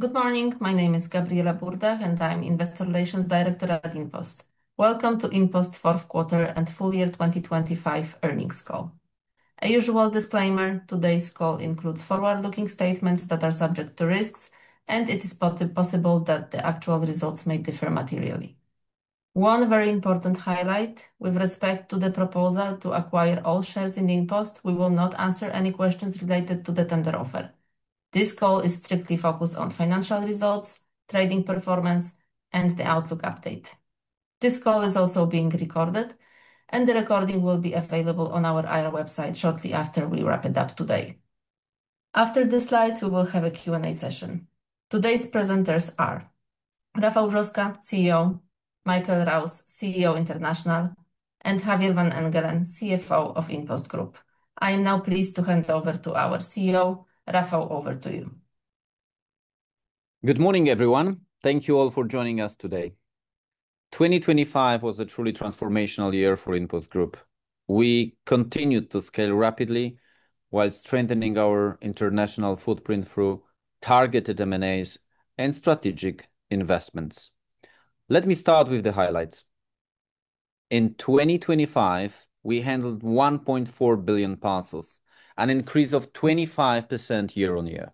Good morning. My name is Gabriela Burdach and I'm Investor Relations Director at InPost. Welcome to InPost fourth quarter and full year 2025 earnings call. Our usual disclaimer, today's call includes forward-looking statements that are subject to risks and it is possible that the actual results may differ materially. One very important highlight with respect to the proposal to acquire all shares in InPost, we will not answer any questions related to the tender offer. This call is strictly focused on financial results, trading performance and the outlook update. This call is also being recorded and the recording will be available on our IR website shortly after we wrap it up today. After the slides, we will have a Q&A session. Today's presenters are Rafał Brzoska, CEO, Michael Rouse, CEO International and Javier van Engelen, CFO of InPost Group. I am now pleased to hand it over to our CEO. Rafał, over to you. Good morning, everyone. Thank you all for joining us today. 2025 was a truly transformational year for InPost Group. We continued to scale rapidly while strengthening our international footprint through targeted M&As and strategic investments. Let me start with the highlights. In 2025, we handled 1.4 billion parcels, an increase of 25% year-on-year.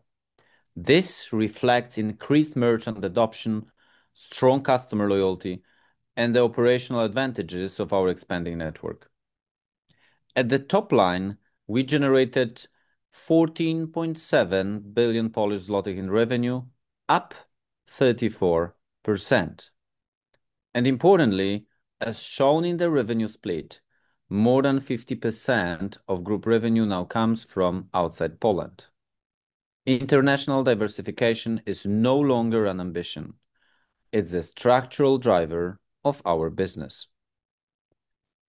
This reflects increased merchant adoption, strong customer loyalty and the operational advantages of our expanding network. At the top line, we generated 14.7 billion Polish zloty in revenue, up 34%. Importantly, as shown in the revenue split, more than 50% of group revenue now comes from outside Poland. International diversification is no longer an ambition, it's a structural driver of our business.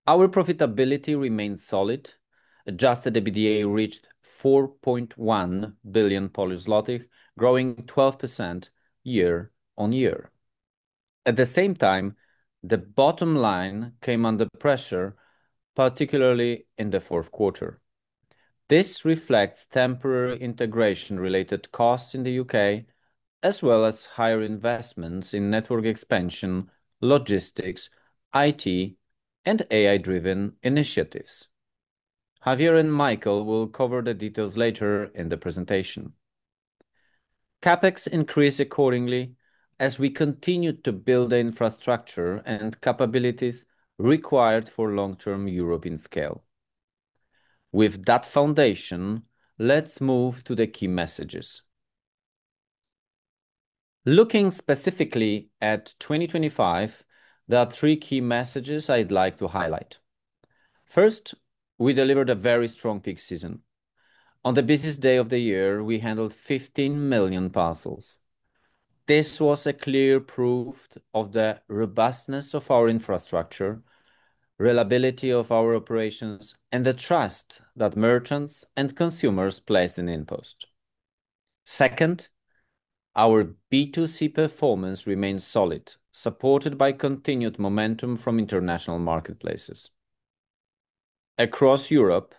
Our profitability remains solid. Adjusted EBITDA reached PLN 4.1 billion, growing 12% year-on-year. At the same time, the bottom line came under pressure, particularly in the fourth quarter. This reflects temporary integration-related costs in the U.K., as well as higher investments in network expansion, logistics, IT and AI-driven initiatives. Javier and Michael will cover the details later in the presentation. CapEx increased accordingly as we continued to build the infrastructure and capabilities required for long-term European scale. With that foundation, let's move to the key messages. Looking specifically at 2025, there are three key messages I'd like to highlight. First, we delivered a very strong peak season. On the busiest day of the year, we handled 15 million parcels. This was a clear proof of the robustness of our infrastructure, reliability of our operations and the trust that merchants and consumers placed in InPost. Second, our B2C performance remains solid, supported by continued momentum from international marketplaces. Across Europe,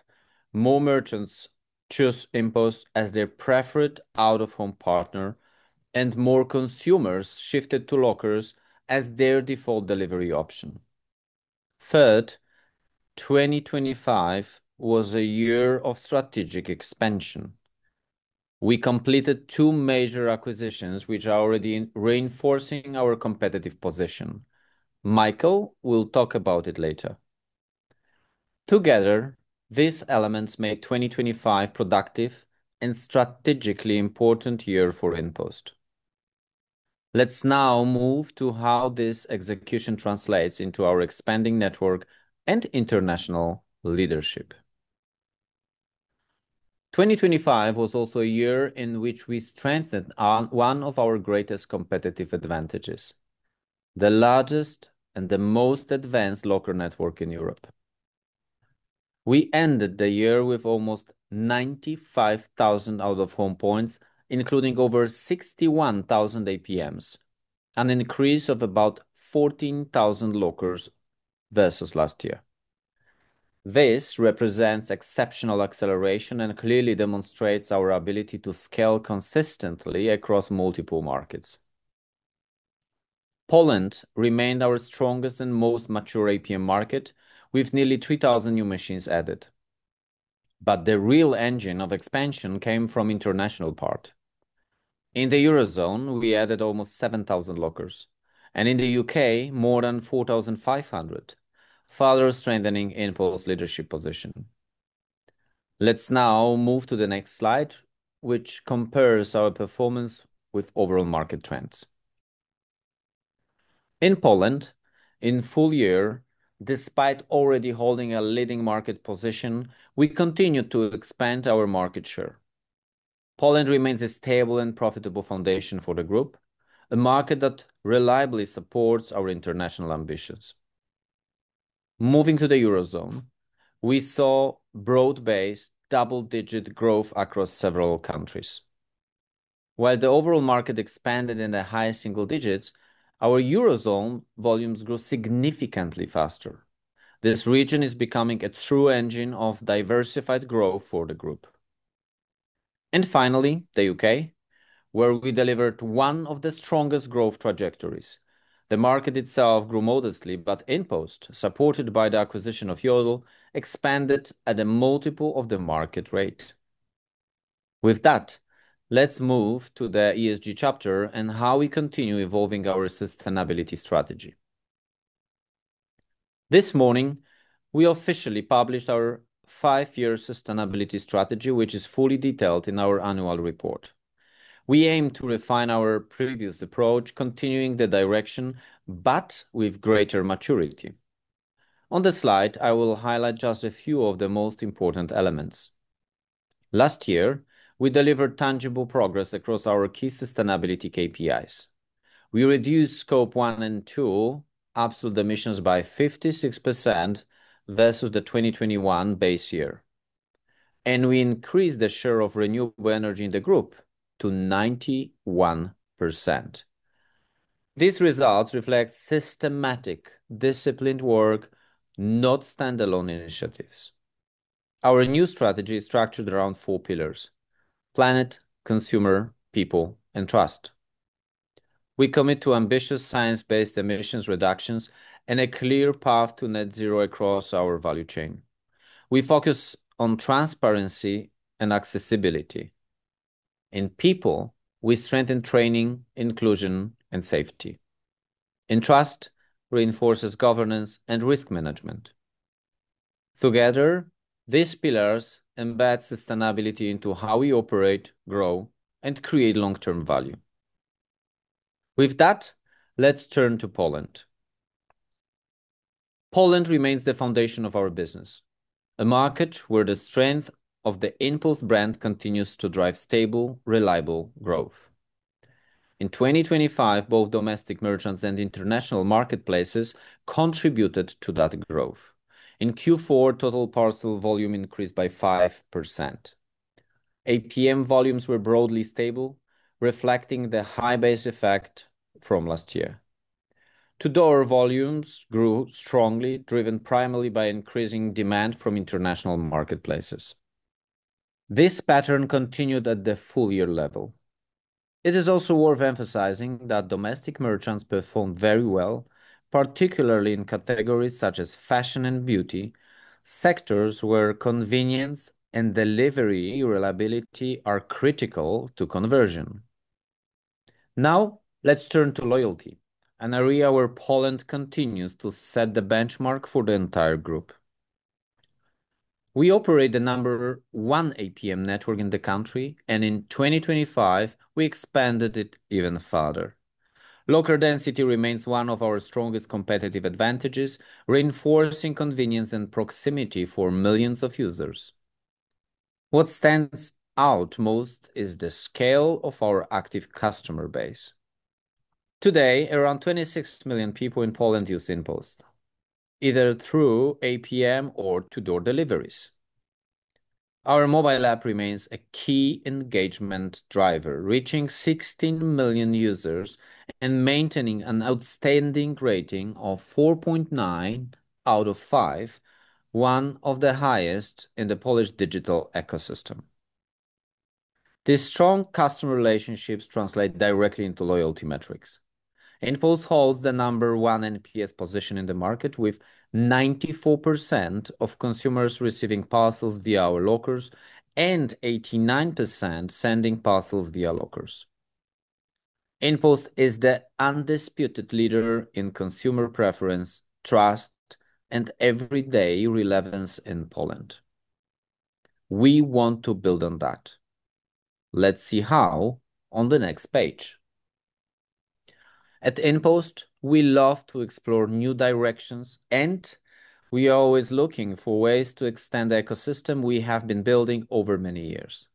more merchants choose InPost as their preferred out-of-home partner and more consumers shifted to lockers as their default delivery option. Third, 2025 was a year of strategic expansion. We completed two major acquisitions which are already reinforcing our competitive position. Michael will talk about it later. Together, these elements made 2025 productive and strategically important year for InPost. Let's now move to how this execution translates into our expanding network and international leadership. 2025 was also a year in which we strengthened on one of our greatest competitive advantages, the largest and the most advanced locker network in Europe. We ended the year with almost 95,000 out-of-home points, including over 61,000 APMs, an increase of about 14,000 lockers versus last year. This represents exceptional acceleration and clearly demonstrates our ability to scale consistently across multiple markets. Poland remained our strongest and most mature APM market with nearly 3,000 new machines added. The real engine of expansion came from international part. In the Eurozone, we added almost 7,000 lockers and in the U.K. more than 4,500, further strengthening InPost leadership position. Let's now move to the next slide, which compares our performance with overall market trends. In Poland, in full year, despite already holding a leading market position, we continued to expand our market share. Poland remains a stable and profitable foundation for the group, a market that reliably supports our international ambitions. Moving to the Eurozone, we saw broad-based double-digit growth across several countries. While the overall market expanded in the high single digits, our Eurozone volumes grew significantly faster. This region is becoming a true engine of diversified growth for the group. Finally, the U.K., where we delivered one of the strongest growth trajectories. The market itself grew modestly but InPost, supported by the acquisition of Yodel, expanded at a multiple of the market rate. With that, let's move to the ESG chapter and how we continue evolving our sustainability strategy. This morning, we officially published our five-year sustainability strategy, which is fully detailed in our annual report. We aim to refine our previous approach, continuing the direction but with greater maturity. On the slide, I will highlight just a few of the most important elements. Last year, we delivered tangible progress across our key sustainability KPIs. We reduced scope one and two absolute emissions by 56% versus the 2021 base year. We increased the share of renewable energy in the group to 91%. These results reflect systematic, disciplined work, not standalone initiatives. Our new strategy is structured around four pillars, planet, consumer, people and trust. We commit to ambitious science-based emissions reductions and a clear path to net zero across our value chain. We focus on transparency and accessibility. In people, we strengthen training, inclusion and safety. In trust, we reinforce governance and risk management. Together, these pillars embed sustainability into how we operate, grow and create long-term value. With that, let's turn to Poland. Poland remains the foundation of our business, a market where the strength of the InPost brand continues to drive stable, reliable growth. In 2025, both domestic merchants and international marketplaces contributed to that growth. In Q4, total parcel volume increased by 5%. APM volumes were broadly stable, reflecting the high base effect from last year. To-door volumes grew strongly, driven primarily by increasing demand from international marketplaces. This pattern continued at the full-year level. It is also worth emphasizing that domestic merchants performed very well, particularly in categories such as fashion and beauty, sectors where convenience and delivery reliability are critical to conversion. Now let's turn to loyalty, an area where Poland continues to set the benchmark for the entire group. We operate the number one APM network in the country and in 2025 we expanded it even further. Locker density remains one of our strongest competitive advantages, reinforcing convenience and proximity for millions of users. What stands out most is the scale of our active customer base. Today, around 26 million people in Poland use InPost, either through APM or to door deliveries. Our mobile app remains a key engagement driver, reaching 16 million users and maintaining an outstanding rating of 4.9 out of 5, one of the highest in the Polish digital ecosystem. These strong customer relationships translate directly into loyalty metrics. InPost holds the number one NPS position in the market, with 94% of consumers receiving parcels via our lockers and 89% sending parcels via lockers. InPost is the undisputed leader in consumer preference, trust and everyday relevance in Poland. We want to build on that. Let's see how on the next page. At InPost, we love to explore new directions and we are always looking for ways to extend the ecosystem we have been building over many years.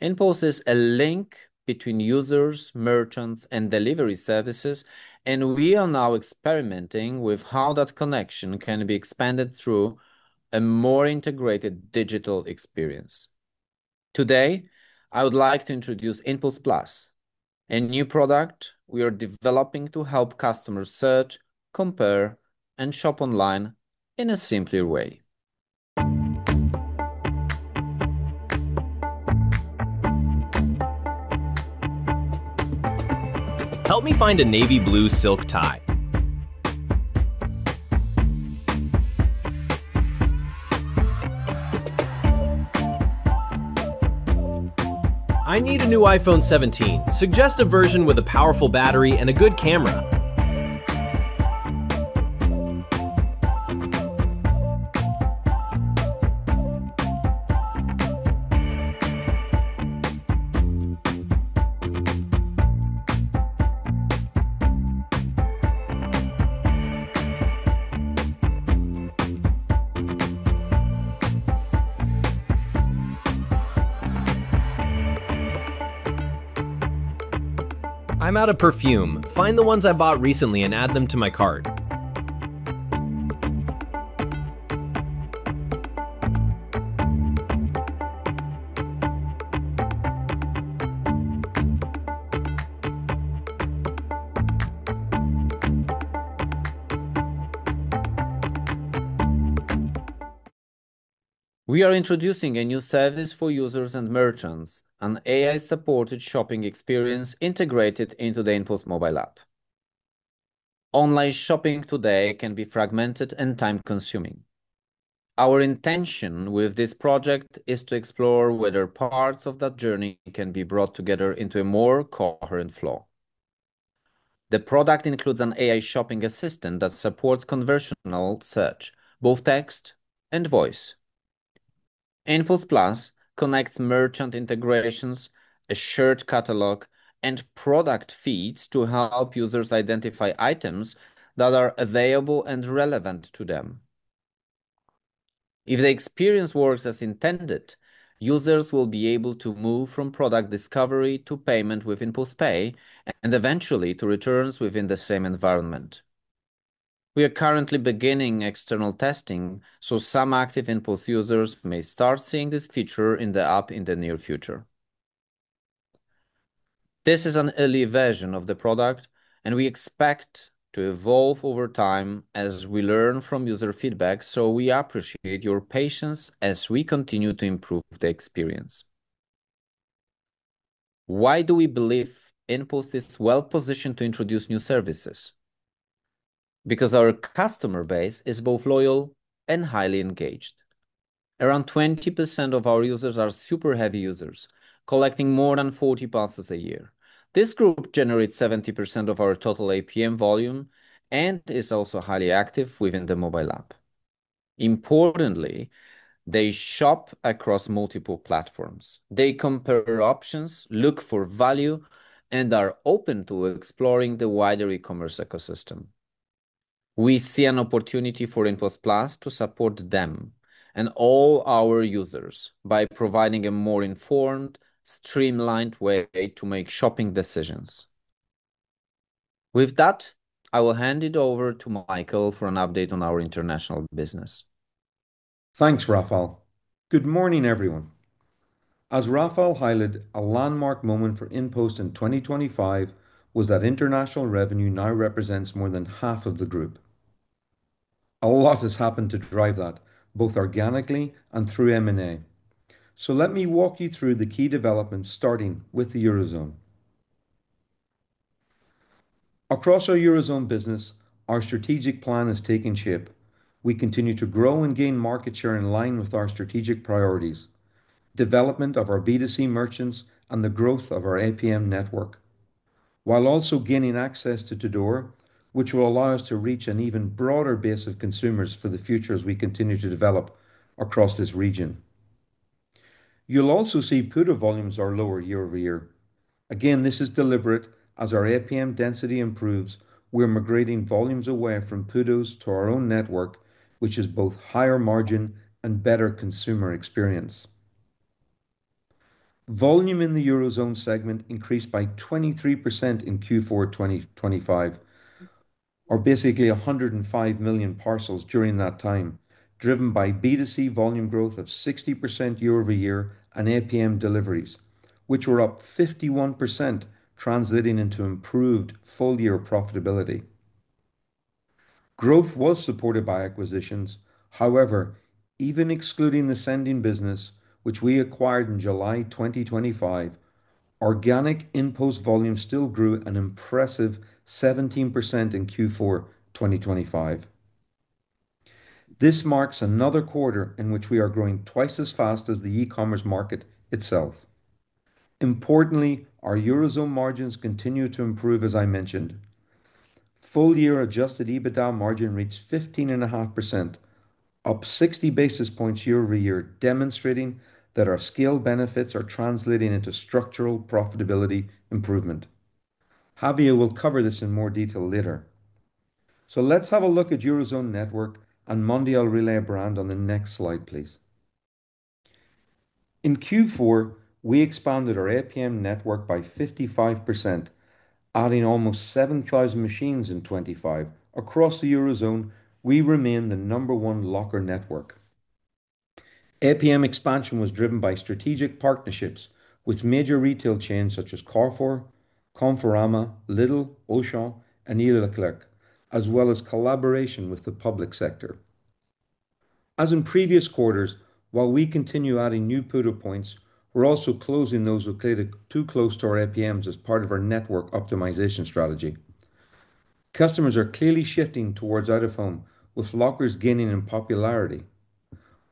InPost is a link between users, merchants and delivery services and we are now experimenting with how that connection can be expanded through a more integrated digital experience. Today I would like to introduce InPost Plus, a new product we are developing to help customers search, compare and shop online in a simpler way. Help me find a navy blue silk tie. I need a new iPhone 17. Suggest a version with a powerful battery and a good camera. I'm out of perfume. Find the ones I bought recently and add them to my cart. We are introducing a new service for users and merchants, an AI-supported shopping experience integrated into the InPost mobile app. Online shopping today can be fragmented and time-consuming. Our intention with this project is to explore whether parts of that journey can be brought together into a more coherent flow. The product includes an AI shopping assistant that supports conversational search, both text and voice. InPost Plus connects merchant integrations, a shared catalog and product feeds to help users identify items that are available and relevant to them. If the experience works as intended, users will be able to move from product discovery to payment with InPost Pay and eventually to returns within the same environment. We are currently beginning external testing, so some active InPost users may start seeing this feature in the app in the near future. This is an early version of the product and we expect to evolve over time as we learn from user feedback, so we appreciate your patience as we continue to improve the experience. Why do we believe InPost is well-positioned to introduce new services? Our customer base is both loyal and highly engaged. Around 20% of our users are super heavy users, collecting more than 40 parcels a year. This group generates 70% of our total APM volume and is also highly active within the mobile app. Importantly, they shop across multiple platforms. They compare options, look for value and are open to exploring the wider e-commerce ecosystem. We see an opportunity for InPost Plus to support them and all our users by providing a more informed, streamlined way to make shopping decisions. With that, I will hand it over to Michael for an update on our international business. Thanks, Rafał. Good morning, everyone. As Rafał highlighted, a landmark moment for InPost in 2025 was that international revenue now represents more than half of the group. A lot has happened to drive that, both organically and through M&A. Let me walk you through the key developments, starting with the Eurozone. Across our Eurozone business, our strategic plan is taking shape. We continue to grow and gain market share in line with our strategic priorities, development of our B2C merchants and the growth of our APM network, while also gaining access to door, which will allow us to reach an even broader base of consumers for the future as we continue to develop across this region. You'll also see PUDO volumes are lower year-over-year. Again, this is deliberate. As our APM density improves, we're migrating volumes away from PUDOs to our own network, which is both higher margin and better consumer experience. Volume in the Eurozone segment increased by 23% in Q4 2025 or basically 105 million parcels during that time, driven by B2C volume growth of 60% year-over-year and APM deliveries, which were up 51%, translating into improved full-year profitability. Growth was supported by acquisitions. However, even excluding the Sending business, which we acquired in July 2025, organic InPost volume still grew an impressive 17% in Q4 2025. This marks another quarter in which we are growing twice as fast as the e-commerce market itself. Importantly, our Eurozone margins continue to improve, as I mentioned. Full year adjusted EBITDA margin reached 15.5%, up 60 basis points year-over-year, demonstrating that our scale benefits are translating into structural profitability improvement. Javier will cover this in more detail later. Let's have a look at Eurozone network and Mondial Relay brand on the next slide, please. In Q4, we expanded our APM network by 55%, adding almost 7,000 machines in 2025. Across the Eurozone, we remain the number one locker network. APM expansion was driven by strategic partnerships with major retail chains such as Carrefour, Conforama, Lidl, Auchan and E.Leclerc, as well as collaboration with the public sector. As in previous quarters, while we continue adding new PUDO points, we're also closing those located too close to our APMs as part of our network optimization strategy. Customers are clearly shifting towards out of home, with lockers gaining in popularity.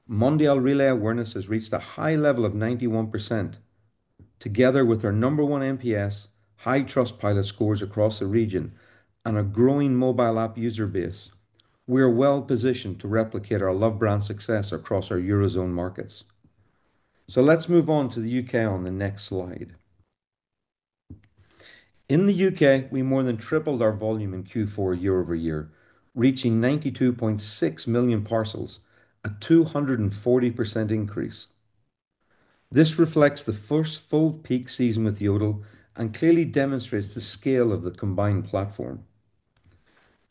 Mondial Relay awareness has reached a high level of 91%. Together with our number one NPS, high Trustpilot scores across the region and a growing mobile app user base, we are well positioned to replicate our Lovebrand success across our Eurozone markets. Let's move on to the U.K. on the next slide. In the U.K., we more than tripled our volume in Q4 year-over-year, reaching 92.6 million parcels, a 240% increase. This reflects the first full peak season with Yodel and clearly demonstrates the scale of the combined platform.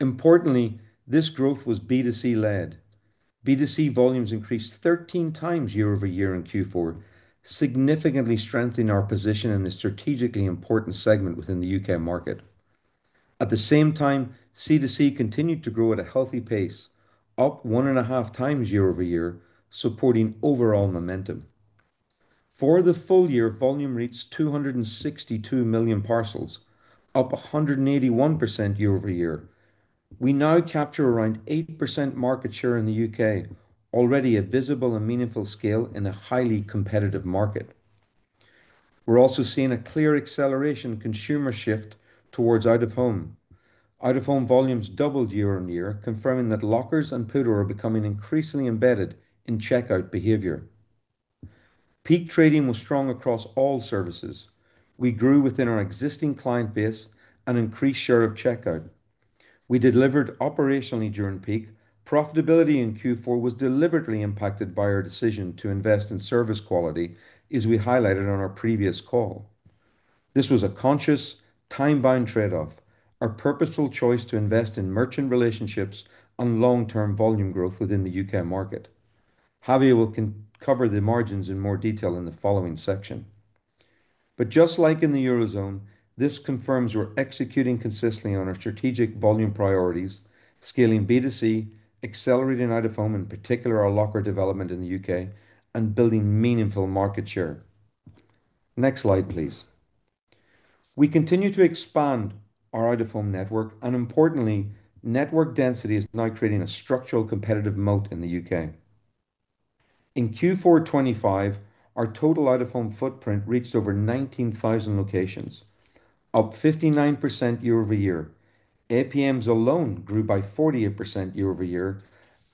Importantly, this growth was B2C led. B2C volumes increased thirteen times year-over-year in Q4, significantly strengthening our position in the strategically important segment within the U.K. market. At the same time, C2C continued to grow at a healthy pace, up 1.5x year-over-year, supporting overall momentum. For the full year, volume reached 262 million parcels, up 181% year-over-year. We now capture around 8% market share in the U.K., already a visible and meaningful scale in a highly competitive market. We're also seeing a clear acceleration consumer shift towards out-of-home. Out-of-home volumes doubled year-over-year, confirming that lockers and PUDO are becoming increasingly embedded in checkout behavior. Peak trading was strong across all services. We grew within our existing client base and increased share of checkout. We delivered operationally during peak. Profitability in Q4 was deliberately impacted by our decision to invest in service quality, as we highlighted on our previous call. This was a conscious time-bound trade-off, a purposeful choice to invest in merchant relationships and long-term volume growth within the U.K. market. Javier will cover the margins in more detail in the following section. Just like in the Eurozone, this confirms we're executing consistently on our strategic volume priorities, scaling B2C, accelerating out-of-home, in particular our locker development in the U.K. and building meaningful market share. Next slide, please. We continue to expand our out-of-home network and importantly, network density is now creating a structural competitive moat in the U.K. In Q4 2025, our total out-of-home footprint reached over 19,000 locations, up 59% year-over-year. APMs alone grew by 48% year-over-year.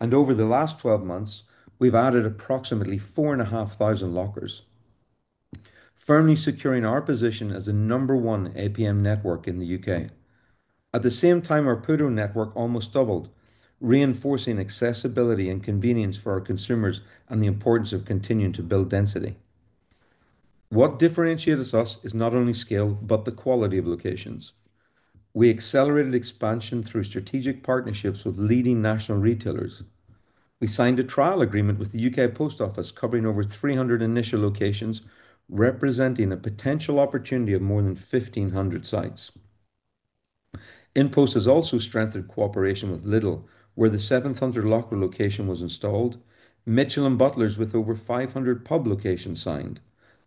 Over the last 12 months, we've added approximately 4,500 lockers, firmly securing our position as the number one APM network in the U.K. At the same time, our PUDO network almost doubled, reinforcing accessibility and convenience for our consumers and the importance of continuing to build density. What differentiates us is not only scale but the quality of locations. We accelerated expansion through strategic partnerships with leading national retailers. We signed a trial agreement with the U.K. Post Office covering over 300 initial locations, representing a potential opportunity of more than 1,500 sites. InPost has also strengthened cooperation with Lidl, where the seven hundred locker location was installed, Mitchells & Butlers with over 500 pub locations signed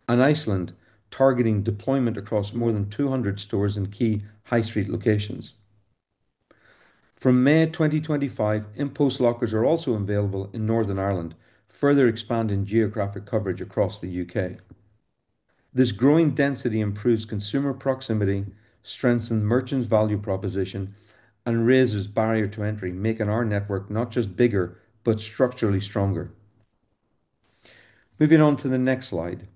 and Iceland targeting deployment across more than 200 stores in key high street locations. From May 2025, InPost lockers are also available in Northern Ireland, further expanding geographic coverage across the U.K. This growing density improves consumer proximity, strengthens merchants' value proposition and raises barrier to entry, making our network not just bigger but structurally stronger. Moving on to the next slide.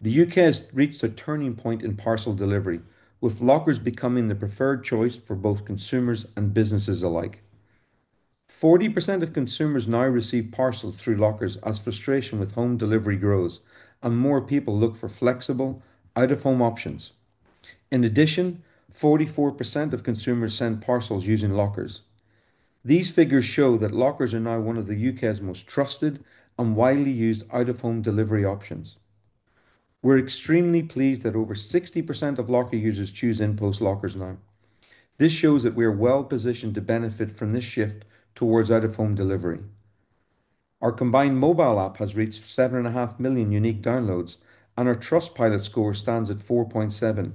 The U.K. has reached a turning point in parcel delivery, with lockers becoming the preferred choice for both consumers and businesses alike. 40% of consumers now receive parcels through lockers as frustration with home delivery grows and more people look for flexible out-of-home options. In addition, 44% of consumers send parcels using lockers. These figures show that lockers are now one of the U.K.'s most trusted and widely used out-of-home delivery options. We're extremely pleased that over 60% of locker users choose InPost lockers now. This shows that we are well positioned to benefit from this shift towards out-of-home delivery. Our combined mobile app has reached 7.5 million unique downloads and our Trustpilot score stands at 4.7.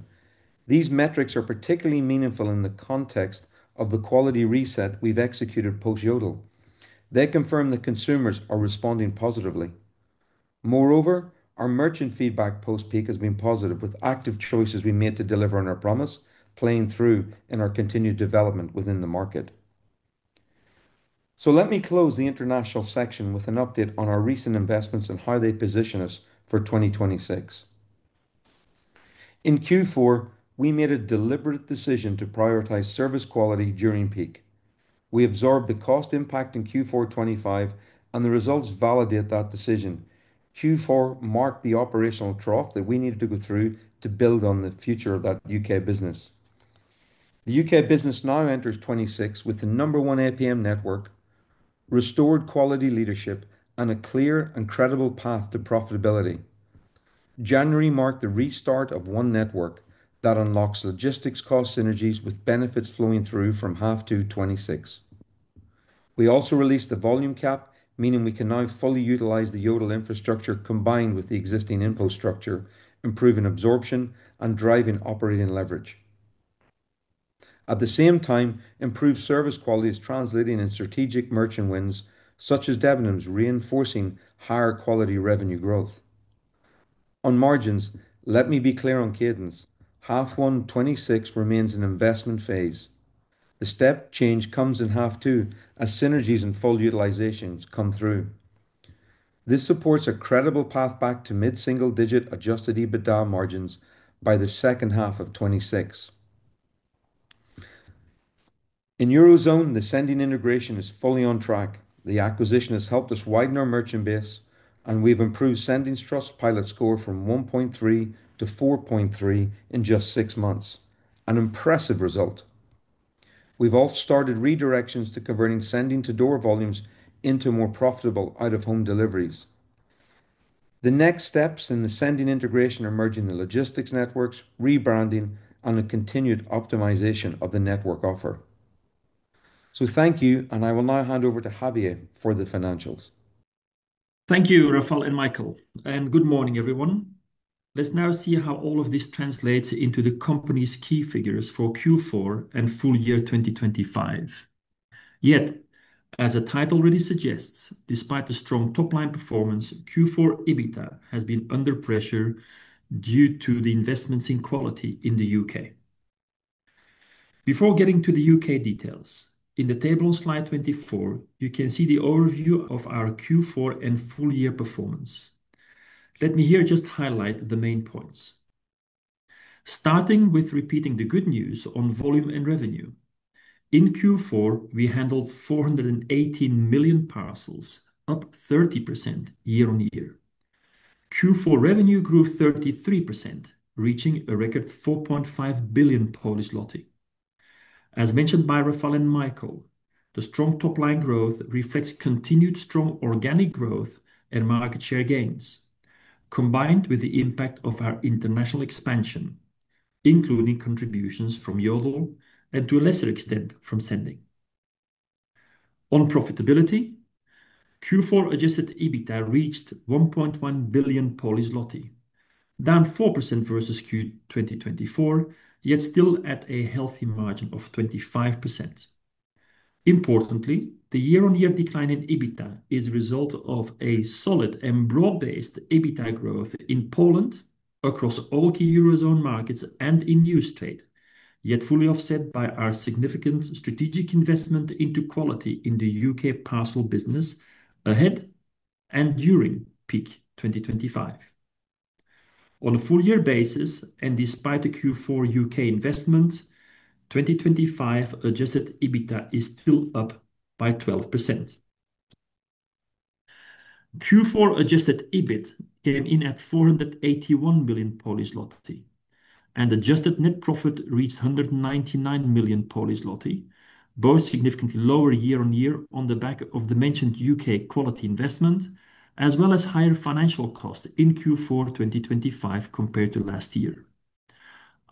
These metrics are particularly meaningful in the context of the quality reset we've executed post Yodel. They confirm that consumers are responding positively. Moreover, our merchant feedback post-peak has been positive with active choices we made to deliver on our promise playing through in our continued development within the market. Let me close the international section with an update on our recent investments and how they position us for 2026. In Q4, we made a deliberate decision to prioritize service quality during peak. We absorbed the cost impact in Q4 2025 and the results validate that decision. Q4 marked the operational trough that we needed to go through to build on the future of that U.K. business. The U.K. business now enters 2026 with the number one APM network, restored quality leadership and a clear and credible path to profitability. January marked the restart of One Network that unlocks logistics cost synergies with benefits flowing through from half two 2026. We also released the volume cap, meaning we can now fully utilize the Yodel infrastructure combined with the existing InPost structure, improving absorption and driving operating leverage. At the same time, improved service quality is translating in strategic merchant wins, such as Debenhams reinforcing higher quality revenue growth. On margins, let me be clear on cadence. Half 1 2026 remains an investment phase. The step change comes in half two as synergies and full utilizations come through. This supports a credible path back to mid-single digit adjusted EBITDA margins by the second half of 2026. In Eurozone, the Sending integration is fully on track. The acquisition has helped us widen our merchant base. We've improved Sending's Trustpilot score from 1.3 to 4.3 in just six months. An impressive result. We've also started redirecting Sending's to-door volumes into more profitable out-of-home deliveries. The next steps in the Sending integration are merging the logistics networks, rebranding and a continued optimization of the network offer. Thank you and I will now hand over to Javier for the financials. Thank you, Rafał and Michael and good morning, everyone. Let's now see how all of this translates into the company's key figures for Q4 and full year 2025. Yet, as the title really suggests, despite the strong top-line performance, Q4 EBITDA has been under pressure due to the investments in quality in the U.K. Before getting to the U.K. details, in the table on slide 24, you can see the overview of our Q4 and full year performance. Let me here just highlight the main points. Starting with repeating the good news on volume and revenue. In Q4, we handled 418 million parcels, up 30% year-on-year. Q4 revenue grew 33%, reaching a record 4.5 billion. As mentioned by Rafał and Michael, the strong top-line growth reflects continued strong organic growth and market share gains, combined with the impact of our international expansion, including contributions from Yodel and to a lesser extent from Sending. On profitability, Q4 adjusted EBITDA reached 1.1 billion zloty, down 4% versus Q4 2024, yet still at a healthy margin of 25%. Importantly, the year-on-year decline in EBITDA is a result of a solid and broad-based EBITDA growth in Poland across all key Eurozone markets and in Newstrade, yet fully offset by our significant strategic investment into quality in the U.K. parcel business ahead and during peak 2025. On a full year basis and despite the Q4 U.K. investment, 2025 adjusted EBITDA is still up by 12%. Q4 adjusted EBIT came in at 481 million and adjusted net profit reached 199 million, both significantly lower year-on-year on the back of the mentioned U.K. quality investment, as well as higher financial cost in Q4 2025 compared to last year.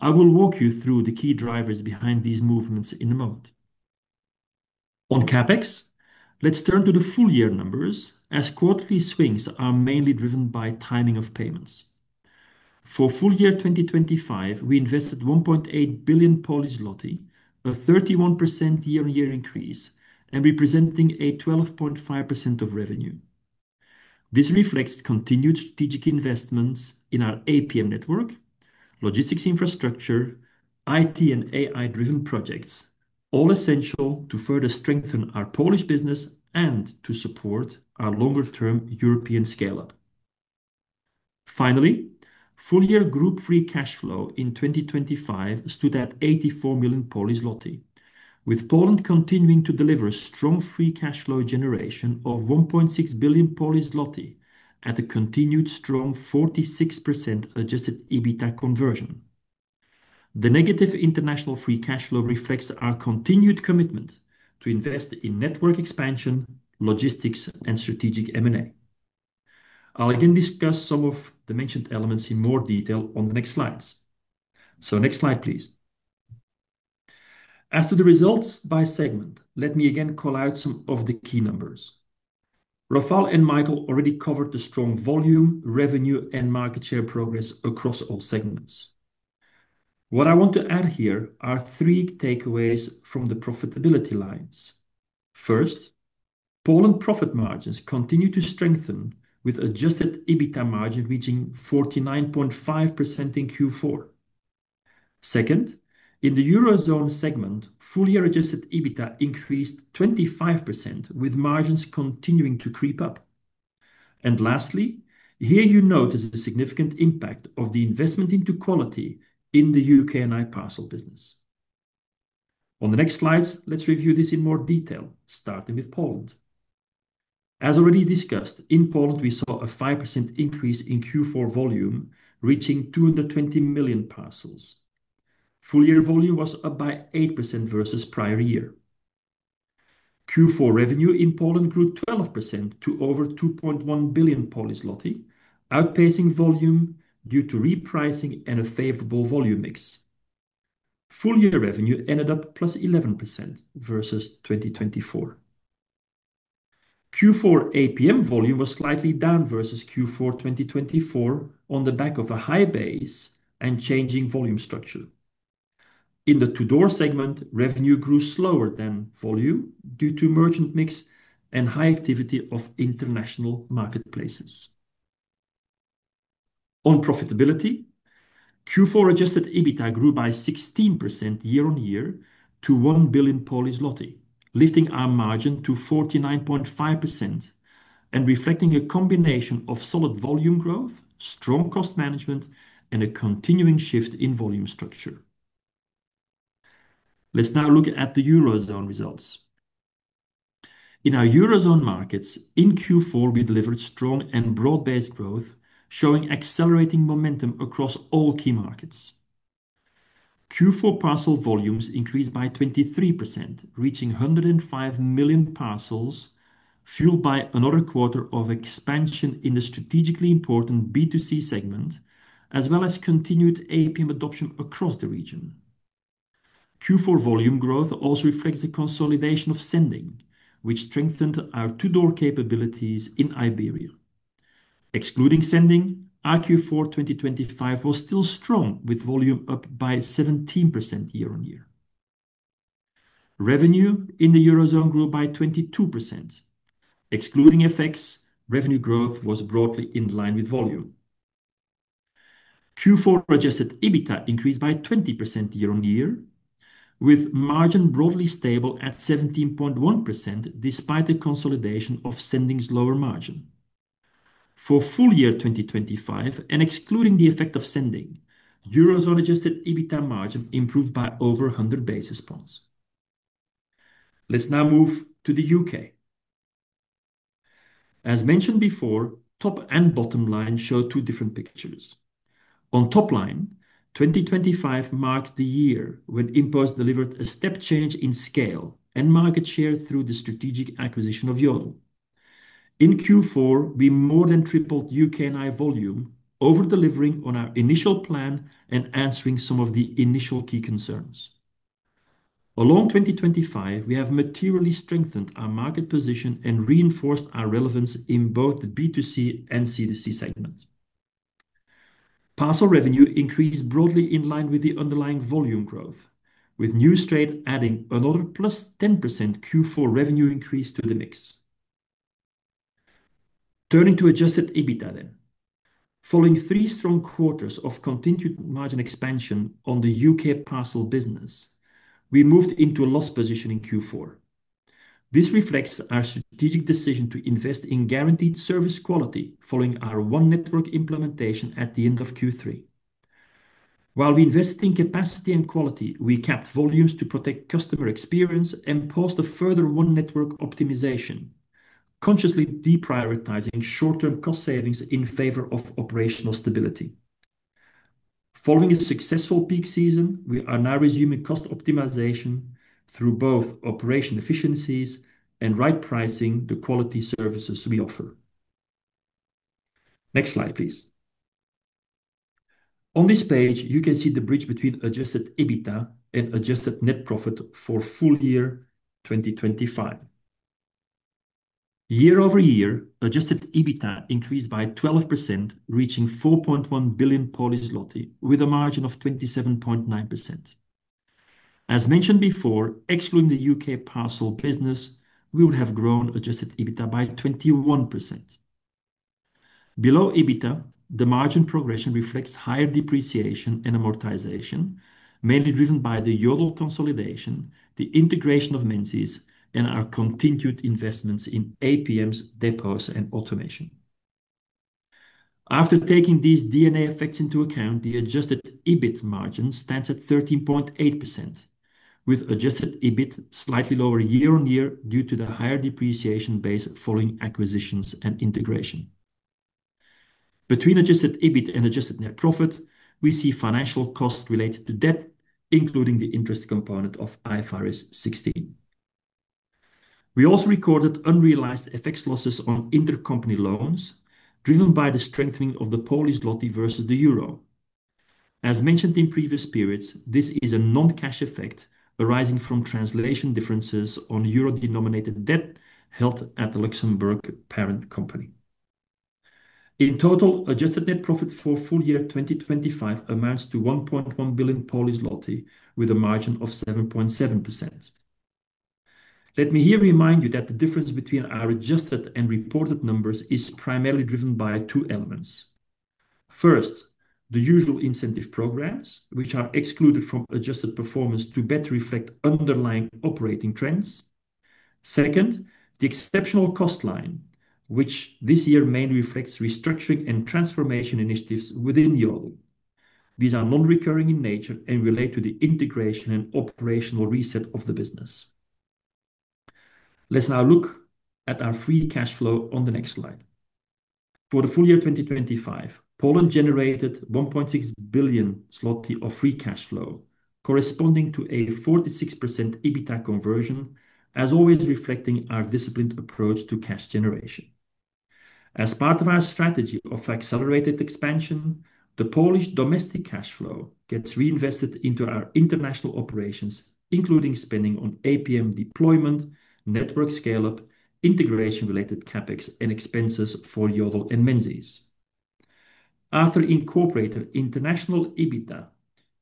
I will walk you through the key drivers behind these movements in a moment. On CapEx, let's turn to the full year numbers as quarterly swings are mainly driven by timing of payments. For full year 2025, we invested 1.8 billion, a 31% year-on-year increase and representing a 12.5% of revenue. This reflects continued strategic investments in our APM network, logistics infrastructure, IT and AI-driven projects, all essential to further strengthen our Polish business and to support our longer term European scale-up. Finally, full year group free cash flow in 2025 stood at 84 million Polish zloty, with Poland continuing to deliver strong free cash flow generation of 1.6 billion Polish zloty at a continued strong 46% adjusted EBITDA conversion. The negative international free cash flow reflects our continued commitment to invest in network expansion, logistics and strategic M&A. I'll again discuss some of the mentioned elements in more detail on the next slides. Next slide, please. As to the results by segment, let me again call out some of the key numbers. Rafał and Michael already covered the strong volume, revenue and market share progress across all segments. What I want to add here are three takeaways from the profitability lines. First, Poland profit margins continue to strengthen with adjusted EBITDA margin reaching 49.5% in Q4. Second, in the eurozone segment, full year adjusted EBITDA increased 25%, with margins continuing to creep up. Lastly, here you notice the significant impact of the investment into quality in the U.K. and i-Parcel business. On the next slides, let's review this in more detail, starting with Poland. As already discussed, in Poland, we saw a 5% increase in Q4 volume, reaching 220 million parcels. Full year volume was up by 8% versus prior year. Q4 revenue in Poland grew 12% to over 2.1 billion, outpacing volume due to repricing and a favorable volume mix. Full year revenue ended up +11% versus 2024. Q4 APM volume was slightly down versus Q4 2024 on the back of a high base and changing volume structure. In the to-door segment, revenue grew slower than volume due to merchant mix and high activity of international marketplaces. On profitability, Q4 adjusted EBITDA grew by 16% year-on-year to 1 billion, lifting our margin to 49.5% and reflecting a combination of solid volume growth, strong cost management and a continuing shift in volume structure. Let's now look at the Eurozone results. In our Eurozone markets, in Q4, we delivered strong and broad-based growth, showing accelerating momentum across all key markets. Q4 parcel volumes increased by 23%, reaching 105 million parcels, fueled by another quarter of expansion in the strategically important B2C segment, as well as continued APM adoption across the region. Q4 volume growth also reflects the consolidation of Sending, which strengthened our to-door capabilities in Iberia. Excluding Sending, our Q4 2025 was still strong with volume up by 17% year-on-year. Revenue in the Eurozone grew by 22%. Excluding FX, revenue growth was broadly in line with volume. Q4 adjusted EBITDA increased by 20% year-on-year, with margin broadly stable at 17.1% despite the consolidation of Sending's lower margin. For full year 2025 and excluding the effect of Sending, Eurozone adjusted EBITDA margin improved by over 100 basis points. Let's now move to the U.K. As mentioned before, top and bottom line show two different pictures. On top line, 2025 marked the year when InPost delivered a step change in scale and market share through the strategic acquisition of Yodel. In Q4, we more than tripled U.K. and Ireland volume over-delivering on our initial plan and answering some of the initial key concerns. In 2025, we have materially strengthened our market position and reinforced our relevance in both the B2C and C2C segments. Parcel revenue increased broadly in line with the underlying volume growth, with new streams adding another +10% Q4 revenue increase to the mix. Turning to adjusted EBITDA then. Following three strong quarters of continued margin expansion on the U.K. parcel business, we moved into a loss position in Q4. This reflects our strategic decision to invest in guaranteed service quality following our One Network implementation at the end of Q3. While we invest in capacity and quality, we kept volumes to protect customer experience and paused a further One Network optimization, consciously deprioritizing short-term cost savings in favor of operational stability. Following a successful peak season, we are now resuming cost optimization through both operational efficiencies and right pricing the quality services we offer. Next slide, please. On this page, you can see the bridge between adjusted EBITDA and adjusted net profit for full year 2025. Year-over-year, adjusted EBITDA increased by 12%, reaching 4.1 billion Polish zloty with a margin of 27.9%. As mentioned before, excluding the U.K. parcel business, we would have grown adjusted EBITDA by 21%. Below EBITDA, the margin progression reflects higher depreciation and amortization, mainly driven by the Yodel consolidation, the integration of Menzies and our continued investments in APMs, depots and automation. After taking these D&A effects into account, the adjusted EBIT margin stands at 13.8% with adjusted EBIT slightly lower year-over-year due to the higher depreciation base following acquisitions and integration. Between adjusted EBIT and adjusted net profit, we see financial costs related to debt, including the interest component of IFRS 16. We also recorded unrealized FX losses on intercompany loans driven by the strengthening of the Polish złoty versus the euro. As mentioned in previous periods, this is a non-cash effect arising from translation differences on euro-denominated debt held at Luxembourg parent company. In total, adjusted net profit for full year 2025 amounts to 1.1 billion with a margin of 7.7%. Let me here remind you that the difference between our adjusted and reported numbers is primarily driven by two elements. First, the usual incentive programs, which are excluded from adjusted performance to better reflect underlying operating trends. Second, the exceptional cost line, which this year mainly reflects restructuring and transformation initiatives within Yodel. These are non-recurring in nature and relate to the integration and operational reset of the business. Let's now look at our free cash flow on the next slide. For the full year 2025, Poland generated 1.6 billion zloty of free cash flow, corresponding to a 46% EBITDA conversion, as always reflecting our disciplined approach to cash generation. As part of our strategy of accelerated expansion, the Polish domestic cash flow gets reinvested into our international operations, including spending on APM deployment, network scale-up, integration-related CapEx and expenses for Yodel and Menzies. After incorporated international EBITDA,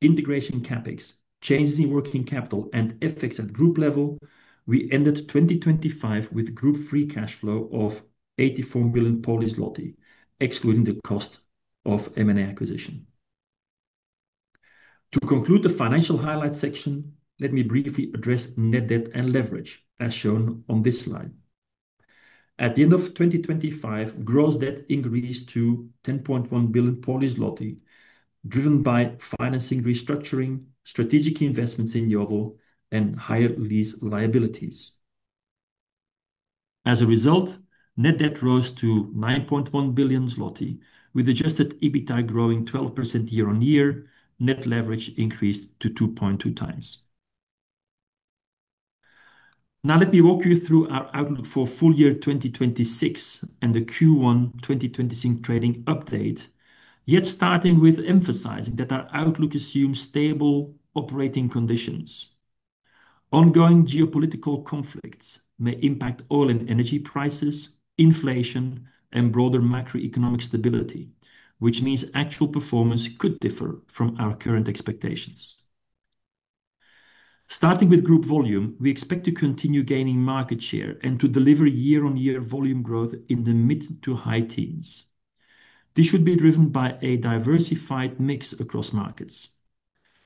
integration CapEx, changes in working capital and FX at group level, we ended 2025 with group free cash flow of 84 million, excluding the cost of M&A acquisition. To conclude the financial highlights section, let me briefly address net debt and leverage as shown on this slide. At the end of 2025, gross debt increased to 10.1 billion, driven by financing restructuring, strategic investments in Yodel and higher lease liabilities. As a result, net debt rose to 9.1 billion zloty. With adjusted EBITDA growing 12% year-on-year, net leverage increased to 2.2x. Now let me walk you through our outlook for full-year 2026 and the Q1 2026 trading update. Starting with emphasizing that our outlook assumes stable operating conditions. Ongoing geopolitical conflicts may impact oil and energy prices, inflation and broader macroeconomic stability, which means actual performance could differ from our current expectations. Starting with group volume, we expect to continue gaining market share and to deliver year-on-year volume growth in the mid- to high-teens%. This should be driven by a diversified mix across markets.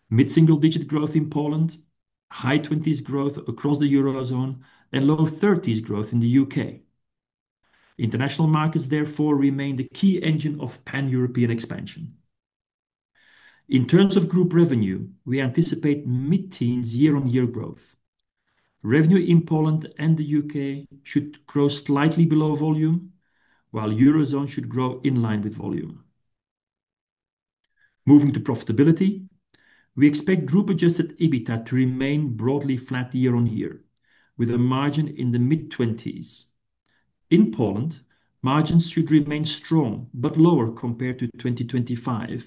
Mid-single-digit growth in Poland, high-20s% growth across the Eurozone and low-30s% growth in the U.K. International markets therefore remain the key engine of Pan-European expansion. In terms of group revenue, we anticipate mid-teens% year-on-year growth. Revenue in Poland and the U.K. should grow slightly below volume, while Eurozone should grow in line with volume. Moving to profitability, we expect group adjusted EBITDA to remain broadly flat year-on-year, with a margin in the mid-20s%. In Poland, margins should remain strong but lower compared to 2025 at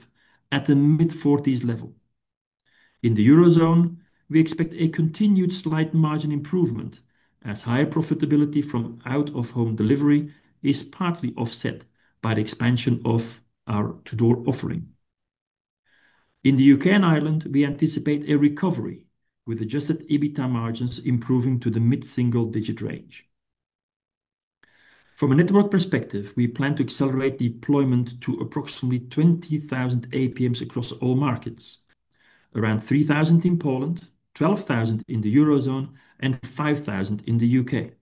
the mid-40s% level. In the Eurozone, we expect a continued slight margin improvement as higher profitability from out-of-home delivery is partly offset by the expansion of our to-door offering. In the U.K. and Ireland, we anticipate a recovery with adjusted EBITDA margins improving to the mid-single-digit% range. From a network perspective, we plan to accelerate deployment to approximately 20,000 APMs across all markets. Around 3,000 in Poland, 12,000 in the Eurozone and 5,000 in the U.K.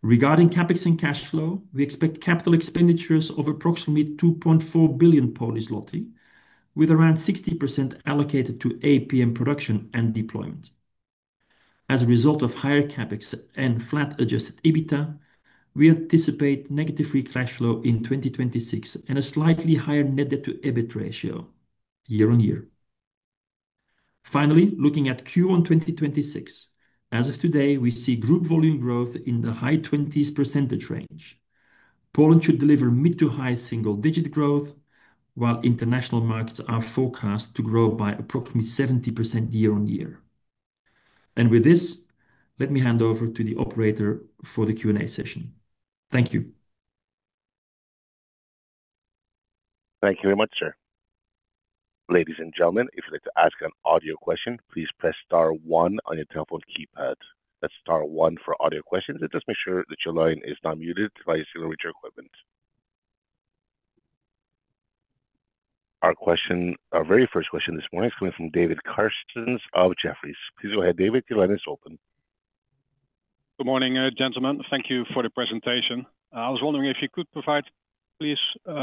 Regarding CapEx and cash flow, we expect capital expenditures of approximately 2.4 billion, with around 60% allocated to APM production and deployment. As a result of higher CapEx and flat adjusted EBITDA, we anticipate negative free cash flow in 2026 and a slightly higher net debt to EBIT ratio year-on-year. Finally, looking at Q1 2026, as of today, we see group volume growth in the high 20s% range. Poland should deliver mid-to-high single-digit growth, while international markets are forecast to grow by approximately 70% year-on-year. With this, let me hand over to the operator for the Q&A session. Thank you. Thank you very much, sir. Ladies and gentlemen, if you'd like to ask an audio question, please press star one on your telephone keypad. That's star one for audio questions and just make sure that your line is not muted by zeroing your equipment. Our question, our very first question this morning is coming from David Kerstens of Jefferies. Please go ahead, David. Your line is open. Good morning, gentlemen. Thank you for the presentation. I was wondering if you could provide, please,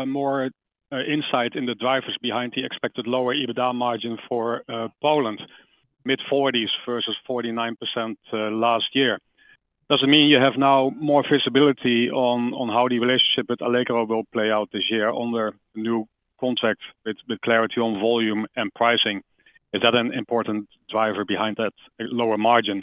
more insight in the drivers behind the expected lower EBITDA margin for Poland, mid-forties versus 49%, last year. Does it mean you have now more visibility on how the relationship with Allegro will play out this year under new contract with clarity on volume and pricing? Is that an important driver behind that lower margin?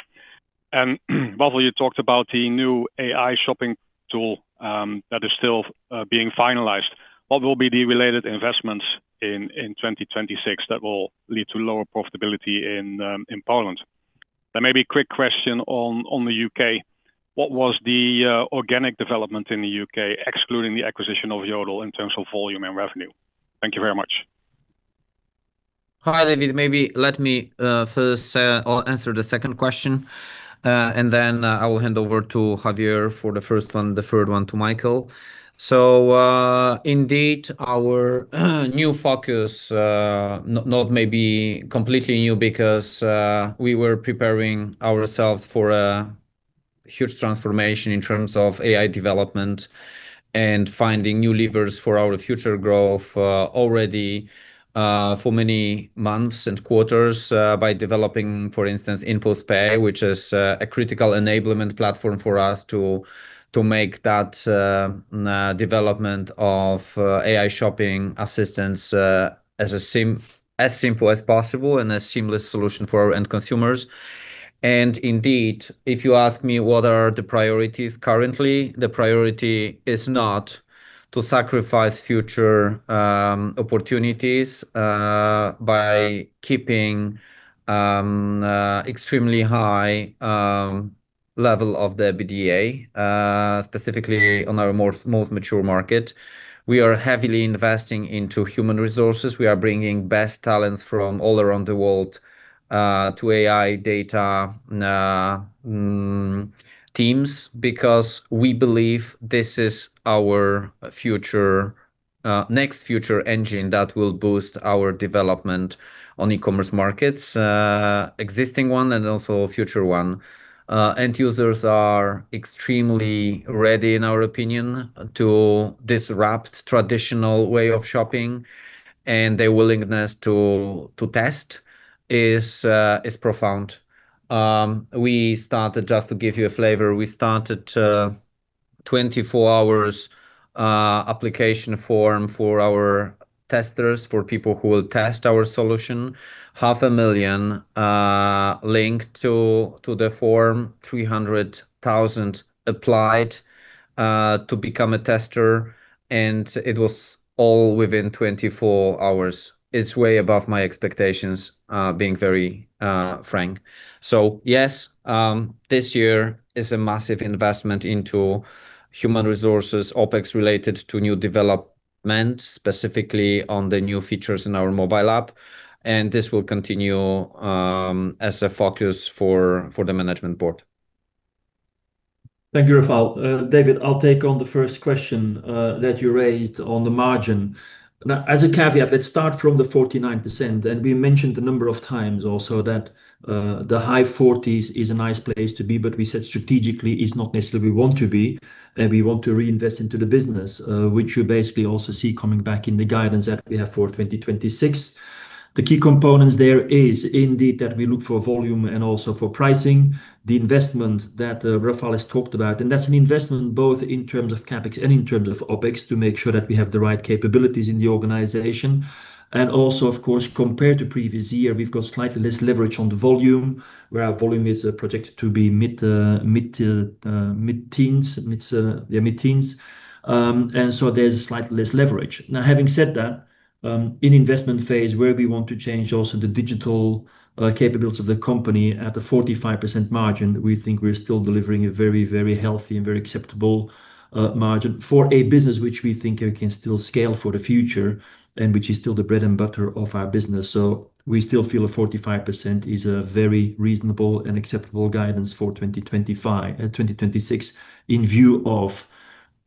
Rafał, you talked about the new AI shopping tool that is still being finalized. What will be the related investments in 2026 that will lead to lower profitability in Poland? Maybe a quick question on the U.K. What was the organic development in the U.K. excluding the acquisition of Yodel in terms of volume and revenue? Thank you very much. Hi, David. Maybe let me first, I'll answer the second question and then, I will hand over to Javier for the first one, the third one to Michael. Indeed, our new focus, not maybe completely new because, we were preparing ourselves for a huge transformation in terms of AI development and finding new levers for our future growth, already, for many months and quarters, by developing, for instance, InPost Pay, which is, a critical enablement platform for us to make that development of AI shopping assistance, as simple as possible and a seamless solution for our end consumers. Indeed, if you ask me what are the priorities currently, the priority is not to sacrifice future opportunities by keeping extremely high level of the EBITDA, specifically on our most mature market. We are heavily investing into human resources. We are bringing best talents from all around the world to AI and data teams because we believe this is our future. Next future engine that will boost our development on e-commerce markets, existing one and also a future one. End users are extremely ready, in our opinion, to disrupt traditional way of shopping and their willingness to test is profound. Just to give you a flavor, we started 24-hour application form for our testers, for people who will test our solution. 500,000 linked to the form, 300,000 applied to become a tester and it was all within 24 hours. It's way above my expectations, being very frank. Yes, this year is a massive investment into human resources, OpEx related to new developments, specifically on the new features in our mobile app and this will continue as a focus for the management board. Thank you, Rafał. David, I'll take on the first question that you raised on the margin. Now, as a caveat, let's start from the 49% and we mentioned a number of times also that the high 40s% is a nice place to be but we said strategically is not necessarily want to be and we want to reinvest into the business, which you basically also see coming back in the guidance that we have for 2026. The key components there is indeed that we look for volume and also for pricing, the investment that Rafał has talked about and that's an investment both in terms of CapEx and in terms of OpEx to make sure that we have the right capabilities in the organization. Also, of course, compared to previous year, we've got slightly less leverage on the volume, where our volume is projected to be mid-teens. There's slightly less leverage. Now, having said that, in investment phase, where we want to change also the digital capabilities of the company at the 45% margin, we think we're still delivering a very, very healthy and very acceptable margin for a business which we think we can still scale for the future and which is still the bread and butter of our business. We still feel a 45% is a very reasonable and acceptable guidance for 2025-2026 in view of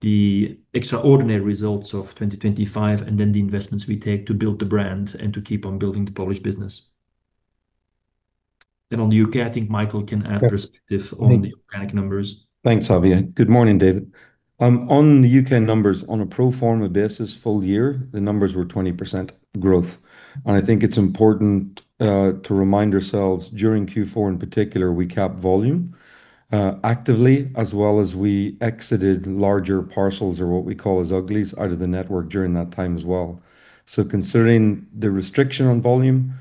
the extraordinary results of 2025 and then the investments we take to build the brand and to keep on building the Polish business. On the U.K, I think Michael can add perspective on the organic numbers. Thanks, Javier. Good morning, David. On the U.K. numbers, on a pro forma basis, full year, the numbers were 20% growth. I think it's important to remind ourselves, during Q4 in particular, we capped volume actively, as well as we exited larger parcels or what we call as uglies out of the network during that time as well. Considering the restriction on volume,